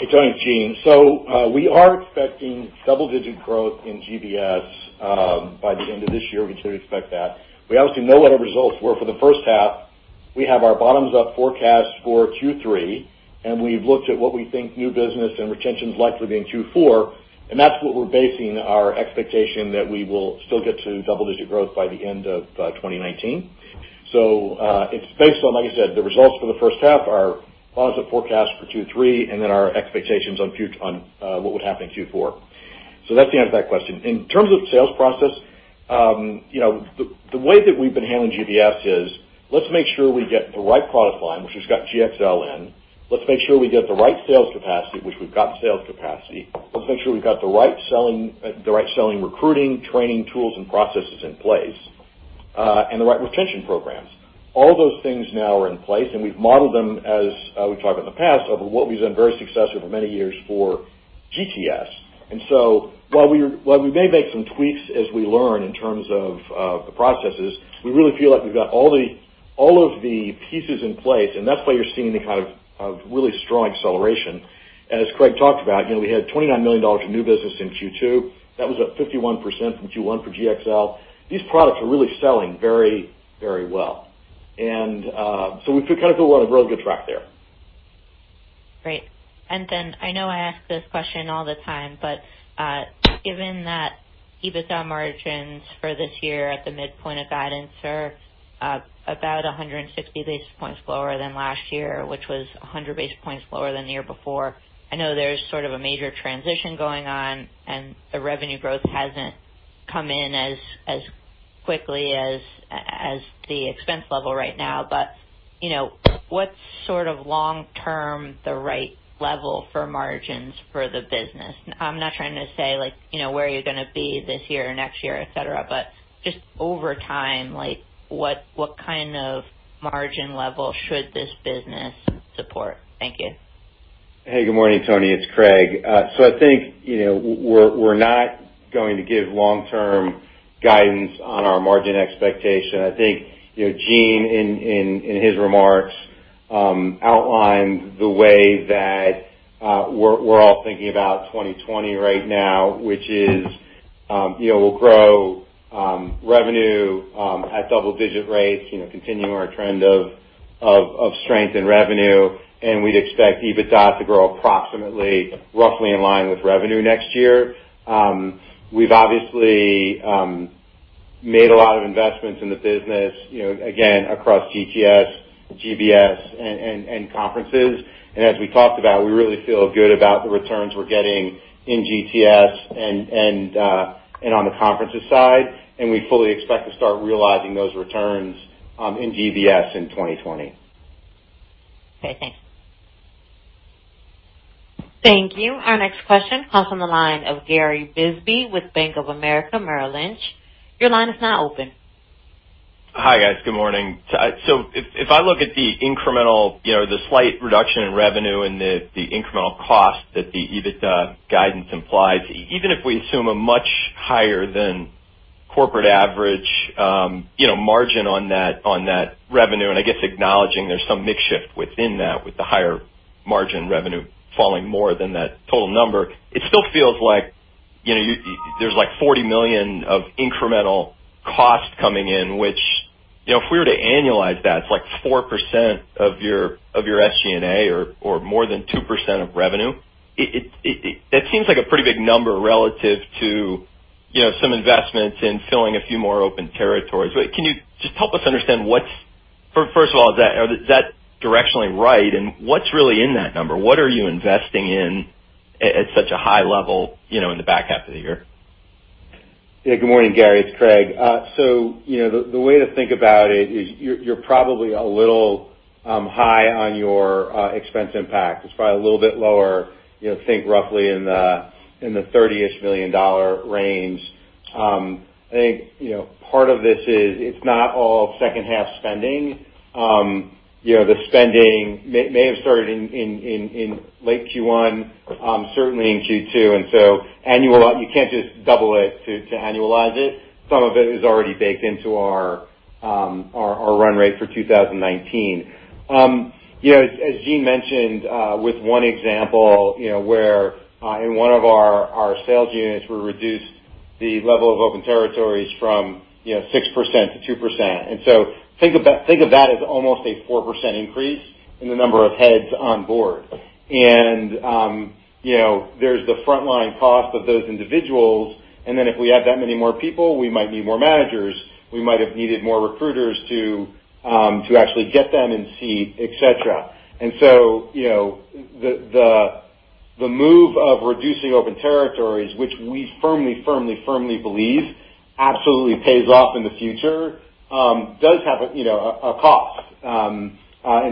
It's Toni, Gene. We are expecting double-digit growth in GBS. By the end of this year, we still expect that. We obviously know what our results were for the first half. We have our bottoms-up forecast for Q3. We've looked at what we think new business and retention is likely to be in Q4. That's what we're basing our expectation that we will still get to double-digit growth by the end of 2019. It's based on, like you said, the results for the first half, our bottoms-up forecast for Q3. Our expectations on what would happen in Q4. That's the answer to that question. In terms of sales process, the way that we've been handling GBS is, let's make sure we get the right product line, which has got GxL in. Let's make sure we get the right sales capacity, which we've got sales capacity. Let's make sure we've got the right sales recruiting, training, tools, and processes in place. The right retention programs. All those things now are in place, and we've modeled them as we've talked about in the past, of what we've done very successfully for many years for GTS. While we may make some tweaks as we learn in terms of the processes, we really feel like we've got all of the pieces in place, and that's why you're seeing the kind of really strong acceleration. As Craig talked about, we had $29 million of new business in Q2. That was up 51% from Q1 for GxL. These products are really selling very well. We feel kind of we're on a really good track there. Great. I know I ask this question all the time, but given that EBITDA margins for this year at the midpoint of guidance are about 160 basis points lower than last year, which was 100 basis points lower than the year before. I know there's sort of a major transition going on, and the revenue growth hasn't come in as quickly as the expense level right now. What's sort of long term, the right level for margins for the business? I'm not trying to say, where are you going to be this year or next year, et cetera, but just over time, what kind of margin level should this business support? Thank you. Hey, good morning, Toni. It's Craig. I think we're not going to give long-term guidance on our margin expectation. I think Gene, in his remarks, outlined the way that we're all thinking about 2020 right now, which is we'll grow revenue at double-digit rates, continuing our trend of strength in revenue, we'd expect EBITDA to grow approximately roughly in line with revenue next year. We've obviously made a lot of investments in the business, again, across GTS, GBS, and Conferences. As we talked about, we really feel good about the returns we're getting in GTS and on the Conferences side, we fully expect to start realizing those returns in GBS in 2020. Okay, thanks. Thank you. Our next question comes from the line of Gary Bisbee with Bank of America Merrill Lynch. Your line is now open. Hi, guys. Good morning. If I look at the incremental, the slight reduction in revenue and the incremental cost that the EBITDA guidance implies, even if we assume a much higher than corporate average margin on that revenue, and I guess acknowledging there's some mix shift within that with the higher margin revenue falling more than that total number. It still feels like there's $40 million of incremental cost coming in which, if we were to annualize that, it's like 4% of your SG&A or more than 2% of revenue. It seems like a pretty big number relative to some investments in filling a few more open territories. Can you just help us understand first of all, is that directionally right? And what's really in that number? What are you investing in at such a high level in the back half of the year? Yeah, good morning, Gary. It's Craig. The way to think about it is you're probably a little high on your expense impact. It's probably a little bit lower, think roughly in the $30 million range. I think part of this is it's not all second-half spending. The spending may have started in late Q1, certainly in Q2, and so you can't just double it to annualize it. Some of it is already baked into our run rate for 2019. As Gene mentioned with one example, where in one of our sales units, we reduced the level of open territories from 6%-2%. Think of that as almost a 4% increase in the number of heads on board. There's the frontline cost of those individuals, and then if we add that many more people, we might need more managers. We might have needed more recruiters to actually get them in seat, et cetera. The move of reducing open territories, which we firmly believe absolutely pays off in the future, does have a cost in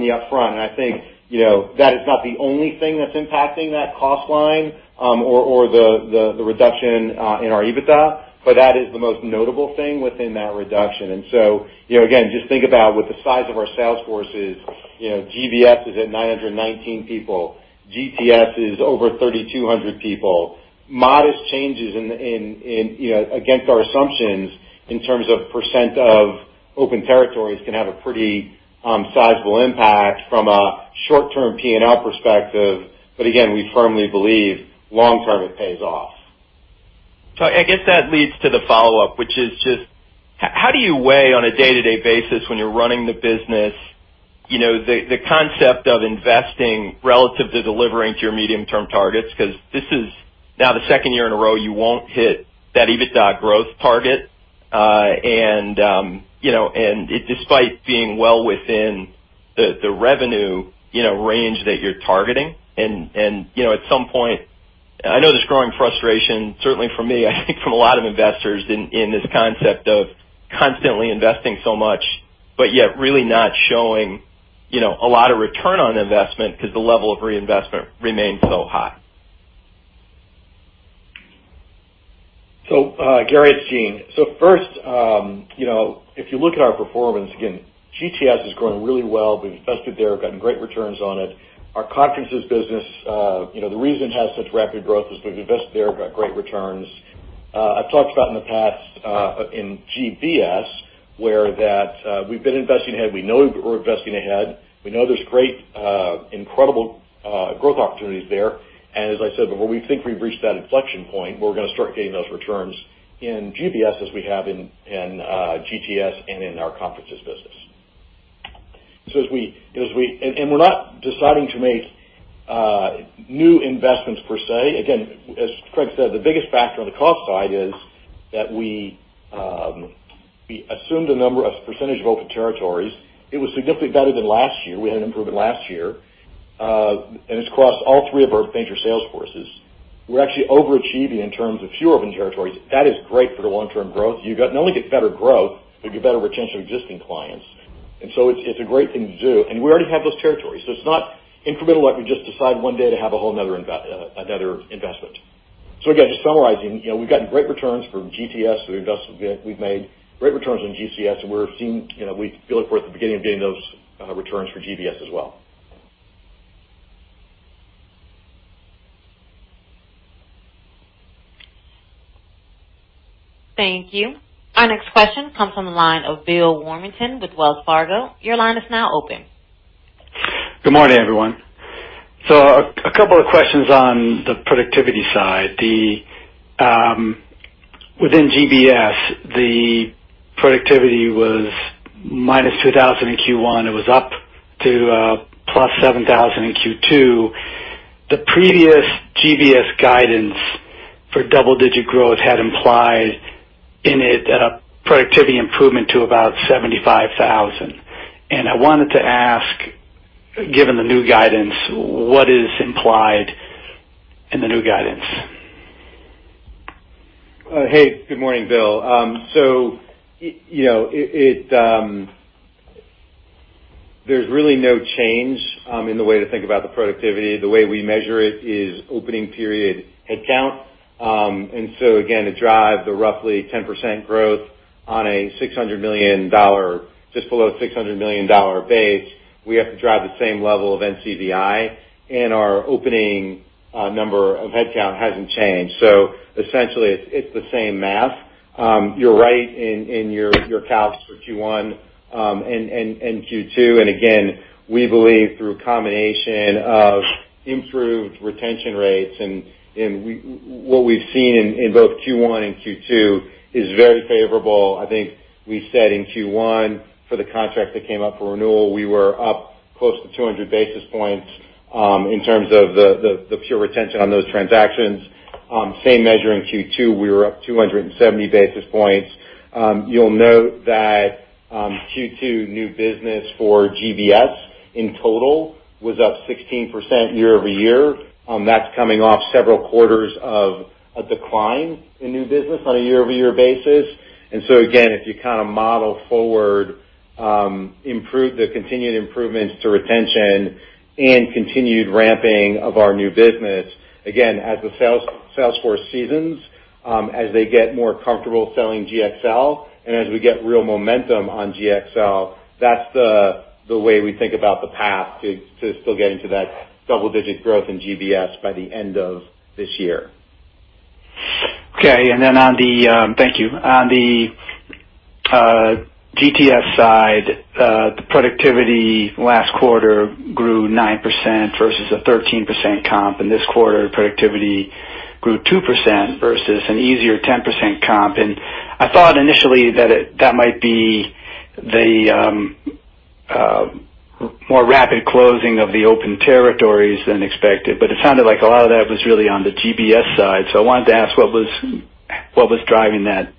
the upfront. I think that is not the only thing that's impacting that cost line or the reduction in our EBITDA, but that is the most notable thing within that reduction. Again, just think about what the size of our sales force is. GBS is at 919 people. GTS is over 3,200 people. Modest changes against our assumptions in terms of % of open territories can have a pretty sizable impact from a short-term P&L perspective. Again, we firmly believe long-term it pays off. I guess that leads to the follow-up, which is just how do you weigh on a day-to-day basis when you're running the business, the concept of investing relative to delivering to your medium-term targets? Because this is now the second year in a row you won't hit that EBITDA growth target. Despite being well within the revenue range that you're targeting and at some point, I know there's growing frustration, certainly from me, I think from a lot of investors in this concept of constantly investing so much, but yet really not showing a lot of return on investment because the level of reinvestment remains so high. Gary, it's Gene. First, if you look at our performance again, GTS is growing really well. We've invested there, gotten great returns on it. Our conferences business, the reason it has such rapid growth is we've invested there, got great returns. I've talked about in the past, in GBS, where that we've been investing ahead. We know we're investing ahead. We know there's great, incredible growth opportunities there. As I said before, we think we've reached that inflection point where we're going to start getting those returns in GBS as we have in GTS and in our conferences business. We're not deciding to make new investments per se. Again, as Craig said, the biggest factor on the cost side is that we assumed a number of percentage of open territories. It was significantly better than last year. We had an improvement last year. It's across all three of our major sales forces. We're actually overachieving in terms of fewer open territories. That is great for the long-term growth. You not only get better growth, but you get better retention of existing clients. It's a great thing to do. We already have those territories, so it's not incremental like we just decide one day to have a whole another investment. Again, just summarizing, we've gotten great returns from GTS. We've invested, we've made great returns on GCS, and we feel like we're at the beginning of getting those returns for GBS as well. Thank you. Our next question comes from the line of Bill Warmington with Wells Fargo. Your line is now open. Good morning, everyone. A couple of questions on the productivity side. Within GBS, the productivity was -2,000 in Q1. It was up to +7,000 in Q2. The previous GBS guidance for double-digit growth had implied in it a productivity improvement to about 75,000. I wanted to ask, given the new guidance, what is implied in the new guidance? Hey, good morning, Bill. There's really no change in the way to think about the productivity. The way we measure it is opening period headcount. Again, to drive the roughly 10% growth on a just below $600 million base, we have to drive the same level of NCVI, and our opening number of headcount hasn't changed. Essentially it's the same math. You're right in your calc for Q1 and Q2. Again, we believe through a combination of improved retention rates and what we've seen in both Q1 and Q2 is very favorable. I think we said in Q1 for the contract that came up for renewal, we were up close to 200 basis points, in terms of the pure retention on those transactions. Same measure in Q2, we were up 270 basis points. You'll note that Q2 new business for GBS in total was up 16% year-over-year. That's coming off several quarters of a decline in new business on a year-over-year basis. Again, if you kind of model forward the continued improvements to retention and continued ramping of our new business, again as the sales force seasons, as they get more comfortable selling GxL and as we get real momentum on GxL, that's the way we think about the path to still getting to that double-digit growth in GBS by the end of this year. Okay. Thank you. On the GTS side, the productivity last quarter grew 9% versus a 13% comp, and this quarter productivity grew 2% versus an easier 10% comp. I thought initially that might be the more rapid closing of the open territories than expected, but it sounded like a lot of that was really on the GBS side. I wanted to ask what was driving that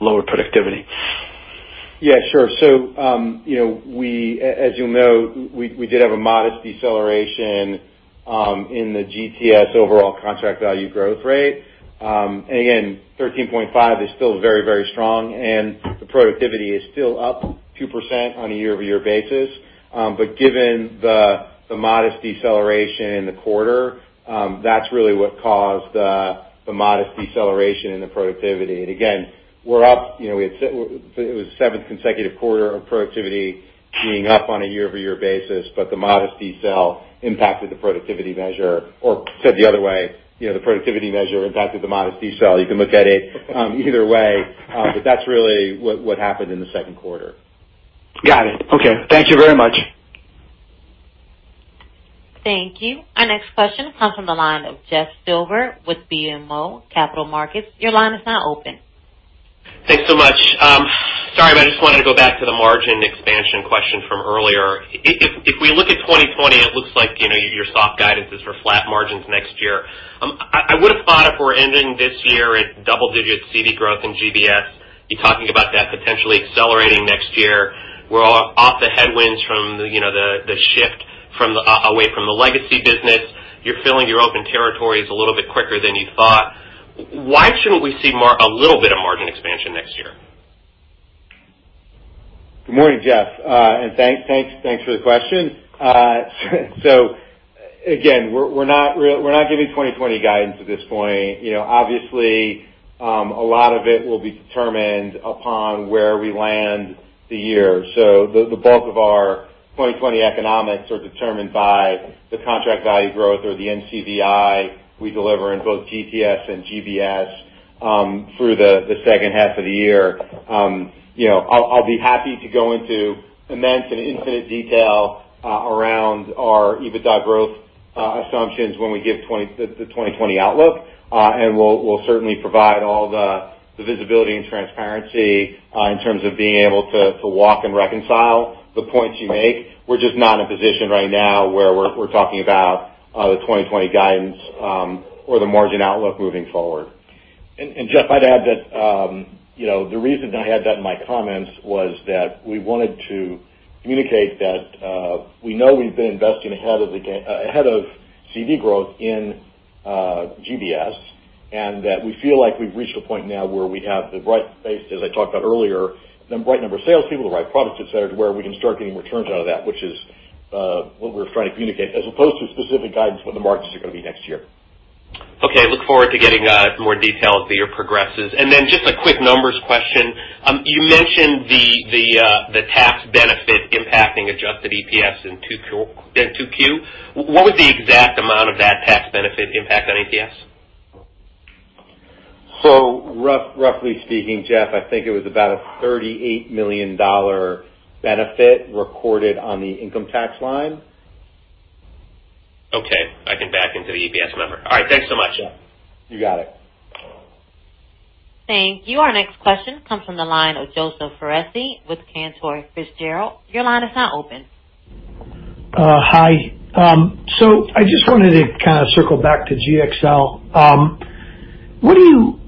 lower productivity? Yeah, sure. As you'll note, we did have a modest deceleration in the GTS overall contract value growth rate. Again, 13.5 is still very strong, and the productivity is still up 2% on a year-over-year basis. Given the modest deceleration in the quarter, that's really what caused the modest deceleration in the productivity. Again, it was the seventh consecutive quarter of productivity being up on a year-over-year basis, the modest decel impacted the productivity measure. Said the other way, the productivity measure impacted the modest decel. You can look at it either way. That's really what happened in the second quarter. Got it. Okay. Thank you very much. Thank you. Our next question comes from the line of Jeff Silber with BMO Capital Markets. Your line is now open. Thanks so much. Sorry, I just wanted to go back to the margin expansion question from earlier. If we look at 2020, it looks like your soft guidance is for flat margins next year. I would have thought if we're ending this year at double-digit CV growth in GBS, you're talking about that potentially accelerating next year. We're off the headwinds from the shift away from the legacy business. You're filling your open territories a little bit quicker than you thought. Why shouldn't we see a little bit of margin expansion next year? Good morning, Jeff Silber. Thanks for the question. Again, we're not giving 2020 guidance at this point. Obviously, a lot of it will be determined upon where we land the year. The bulk of our 2020 economics are determined by the contract value growth or the NCVI we deliver in both GTS and GBS through the second half of the year. I'll be happy to go into immense and infinite detail around our EBITDA growth assumptions when we give the 2020 outlook. We'll certainly provide all the visibility and transparency in terms of being able to walk and reconcile the points you make. We're just not in a position right now where we're talking about the 2020 guidance, or the margin outlook moving forward. Jeff, I'd add that the reason I had that in my comments was that we wanted to communicate that we know we've been investing ahead of CV growth in GBS, and that we feel like we've reached a point now where we have the right space, as I talked about earlier, the right number of salespeople, the right products, et cetera, to where we can start getting returns out of that, which is what we're trying to communicate, as opposed to specific guidance for what the margins are going to be next year. Okay. Look forward to getting more detail as the year progresses. Just a quick numbers question. You mentioned the tax benefit impacting adjusted EPS in 2Q. What was the exact amount of that tax benefit impact on EPS? Roughly speaking, Jeff, I think it was about a $38 million benefit recorded on the income tax line. Okay. I can back into the EPS number. All right. Thanks so much. You got it. Thank you. Our next question comes from the line of Joseph Foresi with Cantor Fitzgerald. Your line is now open. Hi. I just wanted to kind of circle back to GxL.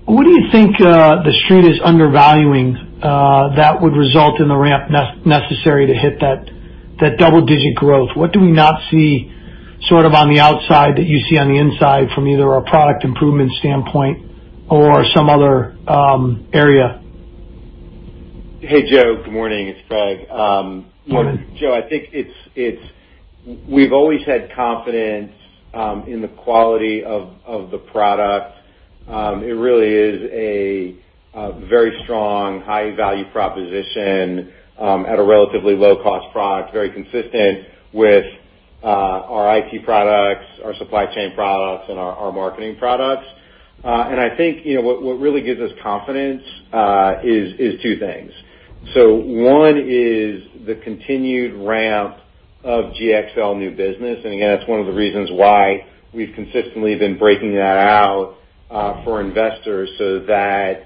What do you think the Street is undervaluing that would result in the ramp necessary to hit that double-digit growth? What do we not see sort of on the outside that you see on the inside from either a product improvement standpoint or some other area? Hey, Joe. Good morning. It's Craig. Morning. Joe, I think we've always had confidence in the quality of the product. It really is a very strong, high-value proposition at a relatively low-cost product, very consistent with our IT products, our supply chain products, and our marketing products. I think what really gives us confidence is two things. One is the continued ramp of GxL new business. Again, that's one of the reasons why we've consistently been breaking that out for investors so that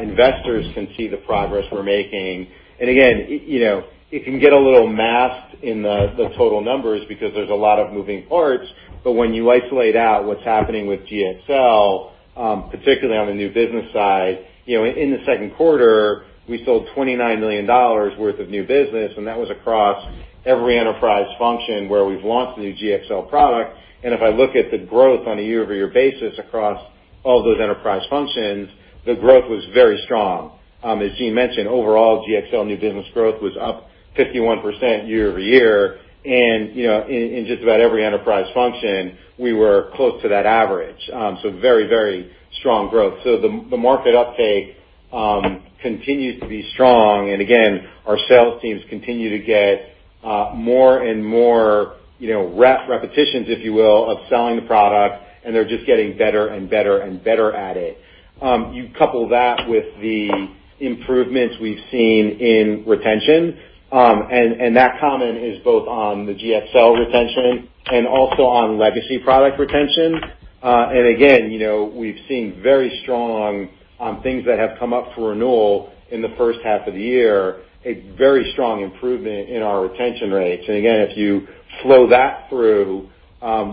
investors can see the progress we're making. Again, it can get a little masked in the total numbers because there's a lot of moving parts, but when you isolate out what's happening with GxL, particularly on the new business side, in the second quarter, we sold $29 million worth of new business, and that was across every enterprise function where we've launched the new GxL product. If I look at the growth on a year-over-year basis across all those enterprise functions, the growth was very strong. As Gene mentioned, overall GxL new business growth was up 51% year-over-year. In just about every enterprise function, we were close to that average. Very, very strong growth. The market uptake continues to be strong. Again, our sales teams continue to get more and more repetitions, if you will, of selling the product, and they're just getting better and better and better at it. You couple that with the improvements we've seen in retention. That comment is both on the GxL retention and also on legacy product retention. Again, we've seen very strong on things that have come up for renewal in the first half of the year, a very strong improvement in our retention rates. Again, if you flow that through,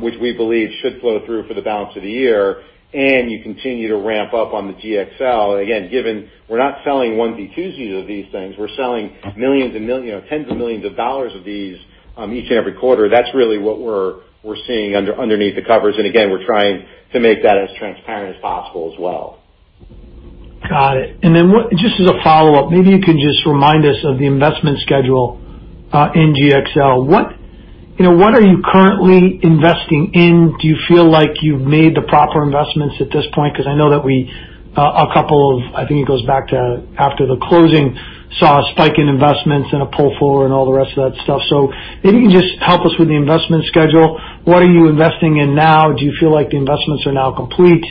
which we believe should flow through for the balance of the year, and you continue to ramp up on the GxL, and again, given we're not selling onesie, twosies of these things, we're selling tens of millions of dollars of these each and every quarter. That's really what we're seeing underneath the covers. Again, we're trying to make that as transparent as possible as well. Got it. Just as a follow-up, maybe you can just remind us of the investment schedule in GxL. What are you currently investing in? Do you feel like you've made the proper investments at this point? I know that we, I think it goes back to after the closing, saw a spike in investments and a pull forward and all the rest of that stuff. Maybe you can just help us with the investment schedule. What are you investing in now? Do you feel like the investments are now complete?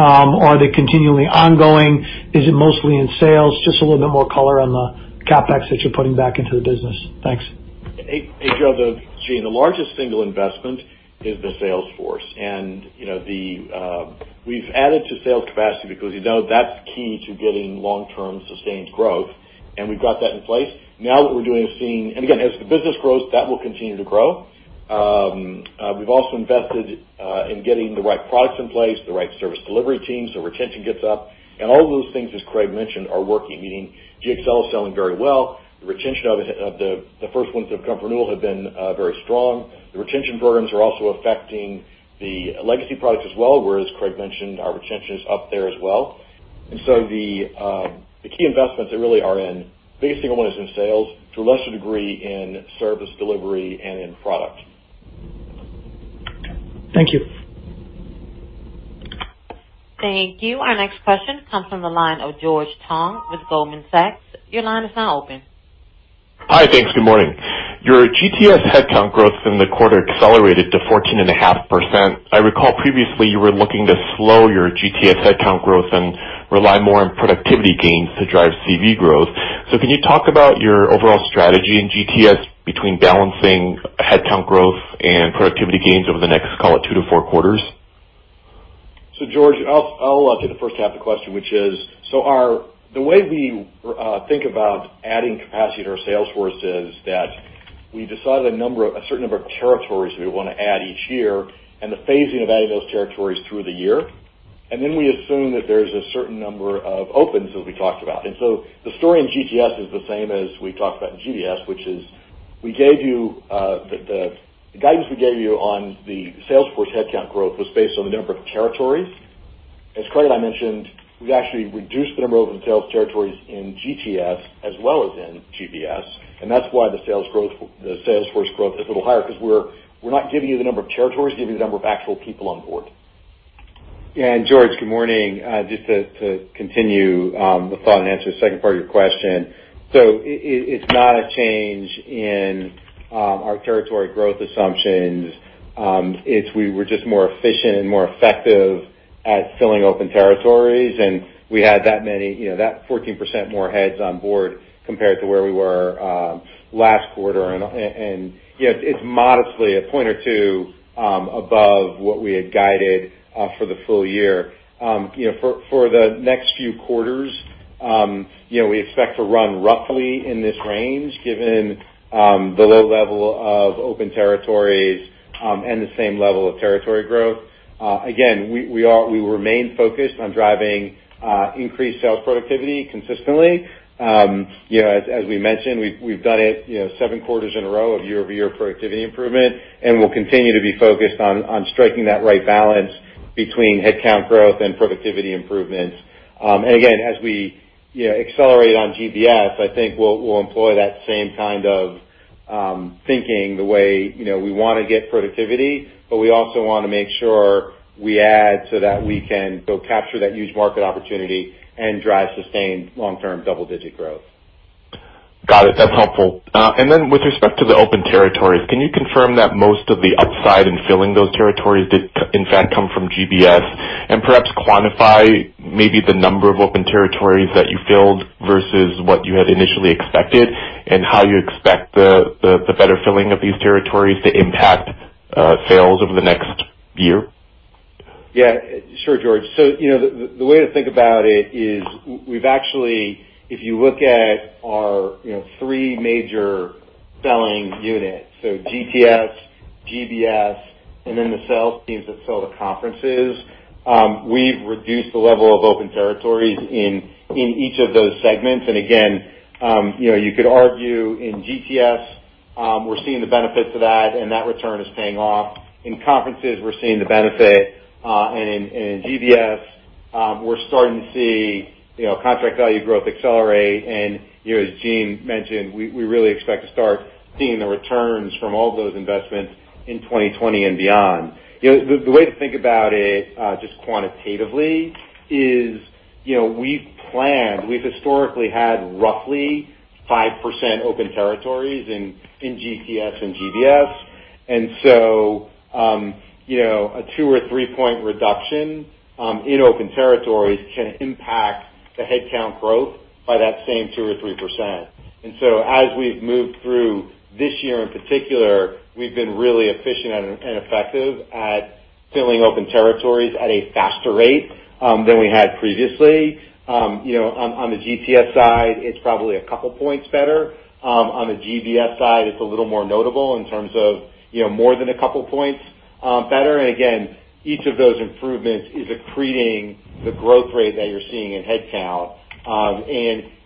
Are they continually ongoing? Is it mostly in sales? Just a little bit more color on the CapEx that you're putting back into the business. Thanks. Hey, Joe. Gene. The largest single investment is the sales force. We've added to sales capacity because we know that's key to getting long-term sustained growth. We've got that in place. Now what we're doing is, again, as the business grows, that will continue to grow. We've also invested in getting the right products in place, the right service delivery teams. Retention gets up. All of those things, as Craig mentioned, are working, meaning GxL is selling very well. The retention of the first ones that come for renewal have been very strong. The retention programs are also affecting the legacy products as well, where, as Craig mentioned, our retention is up there as well. The key investments really are in, biggest single one is in sales, to a lesser degree in service delivery and in product. Thank you. Thank you. Our next question comes from the line of George Tong with Goldman Sachs. Your line is now open. Hi. Thanks. Good morning. Your GTS headcount growth in the quarter accelerated to 14.5%. I recall previously you were looking to slow your GTS headcount growth and rely more on productivity gains to drive CV growth. Can you talk about your overall strategy in GTS between balancing headcount growth and productivity gains over the next, call it, two to four quarters? George, I'll take the first half of the question, which is, the way we think about adding capacity to our sales force is that we decide a certain number of territories we want to add each year and the phasing of adding those territories through the year. We assume that there's a certain number of opens as we talked about. The story in GTS is the same as we talked about in GBS, which is the guidance we gave you on the sales force headcount growth was based on the number of territories. As Craig and I mentioned, we've actually reduced the number of open sales territories in GTS as well as in GBS, and that's why the sales force growth is a little higher, because we're not giving you the number of territories, we're giving you the number of actual people on board. George, good morning. Just to continue the thought and answer the second part of your question. It's not a change in our territory growth assumptions. It's we were just more efficient and more effective at filling open territories, and we had that 14% more heads on board compared to where we were last quarter. It's modestly a point or two above what we had guided for the full year. For the next few quarters, we expect to run roughly in this range, given the low level of open territories, and the same level of territory growth. Again, we remain focused on driving increased sales productivity consistently. As we mentioned, we've done it seven quarters in a row of year-over-year productivity improvement, and we'll continue to be focused on striking that right balance between headcount growth and productivity improvements. Again, as we accelerate on GBS, I think we'll employ that same kind of thinking the way we want to get productivity, but we also want to make sure we add so that we can go capture that huge market opportunity and drive sustained long-term double-digit growth. Got it. That's helpful. Then with respect to the open territories, can you confirm that most of the upside in filling those territories did in fact come from GBS? Perhaps quantify maybe the number of open territories that you filled versus what you had initially expected, and how you expect the better filling of these territories to impact sales over the next year? Sure, George. The way to think about it is, if you look at our three major selling units, GTS, GBS, and then the sales teams that sell the conferences, we've reduced the level of open territories in each of those segments. Again, you could argue in GTS, we're seeing the benefits of that and that return is paying off. In conferences, we're seeing the benefit. In GBS, we're starting to see contract value growth accelerate. As Gene mentioned, we really expect to start seeing the returns from all those investments in 2020 and beyond. The way to think about it, just quantitatively, is we've historically had roughly 5% open territories in GTS and GBS. A two or three point reduction in open territories can impact the headcount growth by that same 2% or 3%. As we've moved through this year in particular, we've been really efficient and effective at filling open territories at a faster rate than we had previously. On the GTS side, it's probably a couple of points better. On the GBS side, it's a little more notable in terms of more than a couple of points better. Again, each of those improvements is accreting the growth rate that you're seeing in headcount.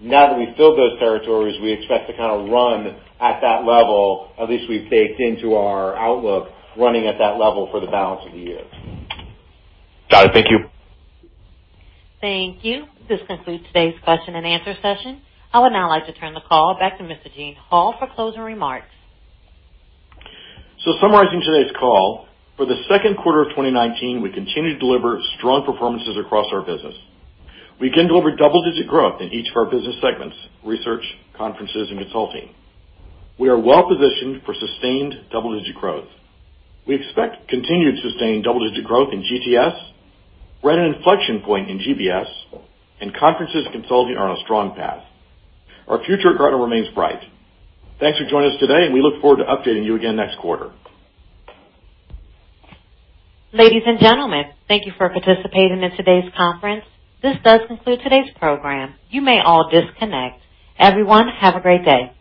Now that we filled those territories, we expect to run at that level, at least we've baked into our outlook, running at that level for the balance of the year. Got it. Thank you. Thank you. This concludes today's question and answer session. I would now like to turn the call back to Mr. Gene Hall for closing remarks. Summarizing today's call, for the second quarter of 2019, we continue to deliver strong performances across our business. We continue to deliver double-digit growth in each of our business segments, Research, Conferences, and Consulting. We are well-positioned for sustained double-digit growth. We expect continued sustained double-digit growth in GTS. We're at an inflection point in GBS. Conferences and Consulting are on a strong path. Our future at Gartner remains bright. Thanks for joining us today, and we look forward to updating you again next quarter. Ladies and gentlemen, thank you for participating in today's conference. This does conclude today's program. You may all disconnect. Everyone, have a great day.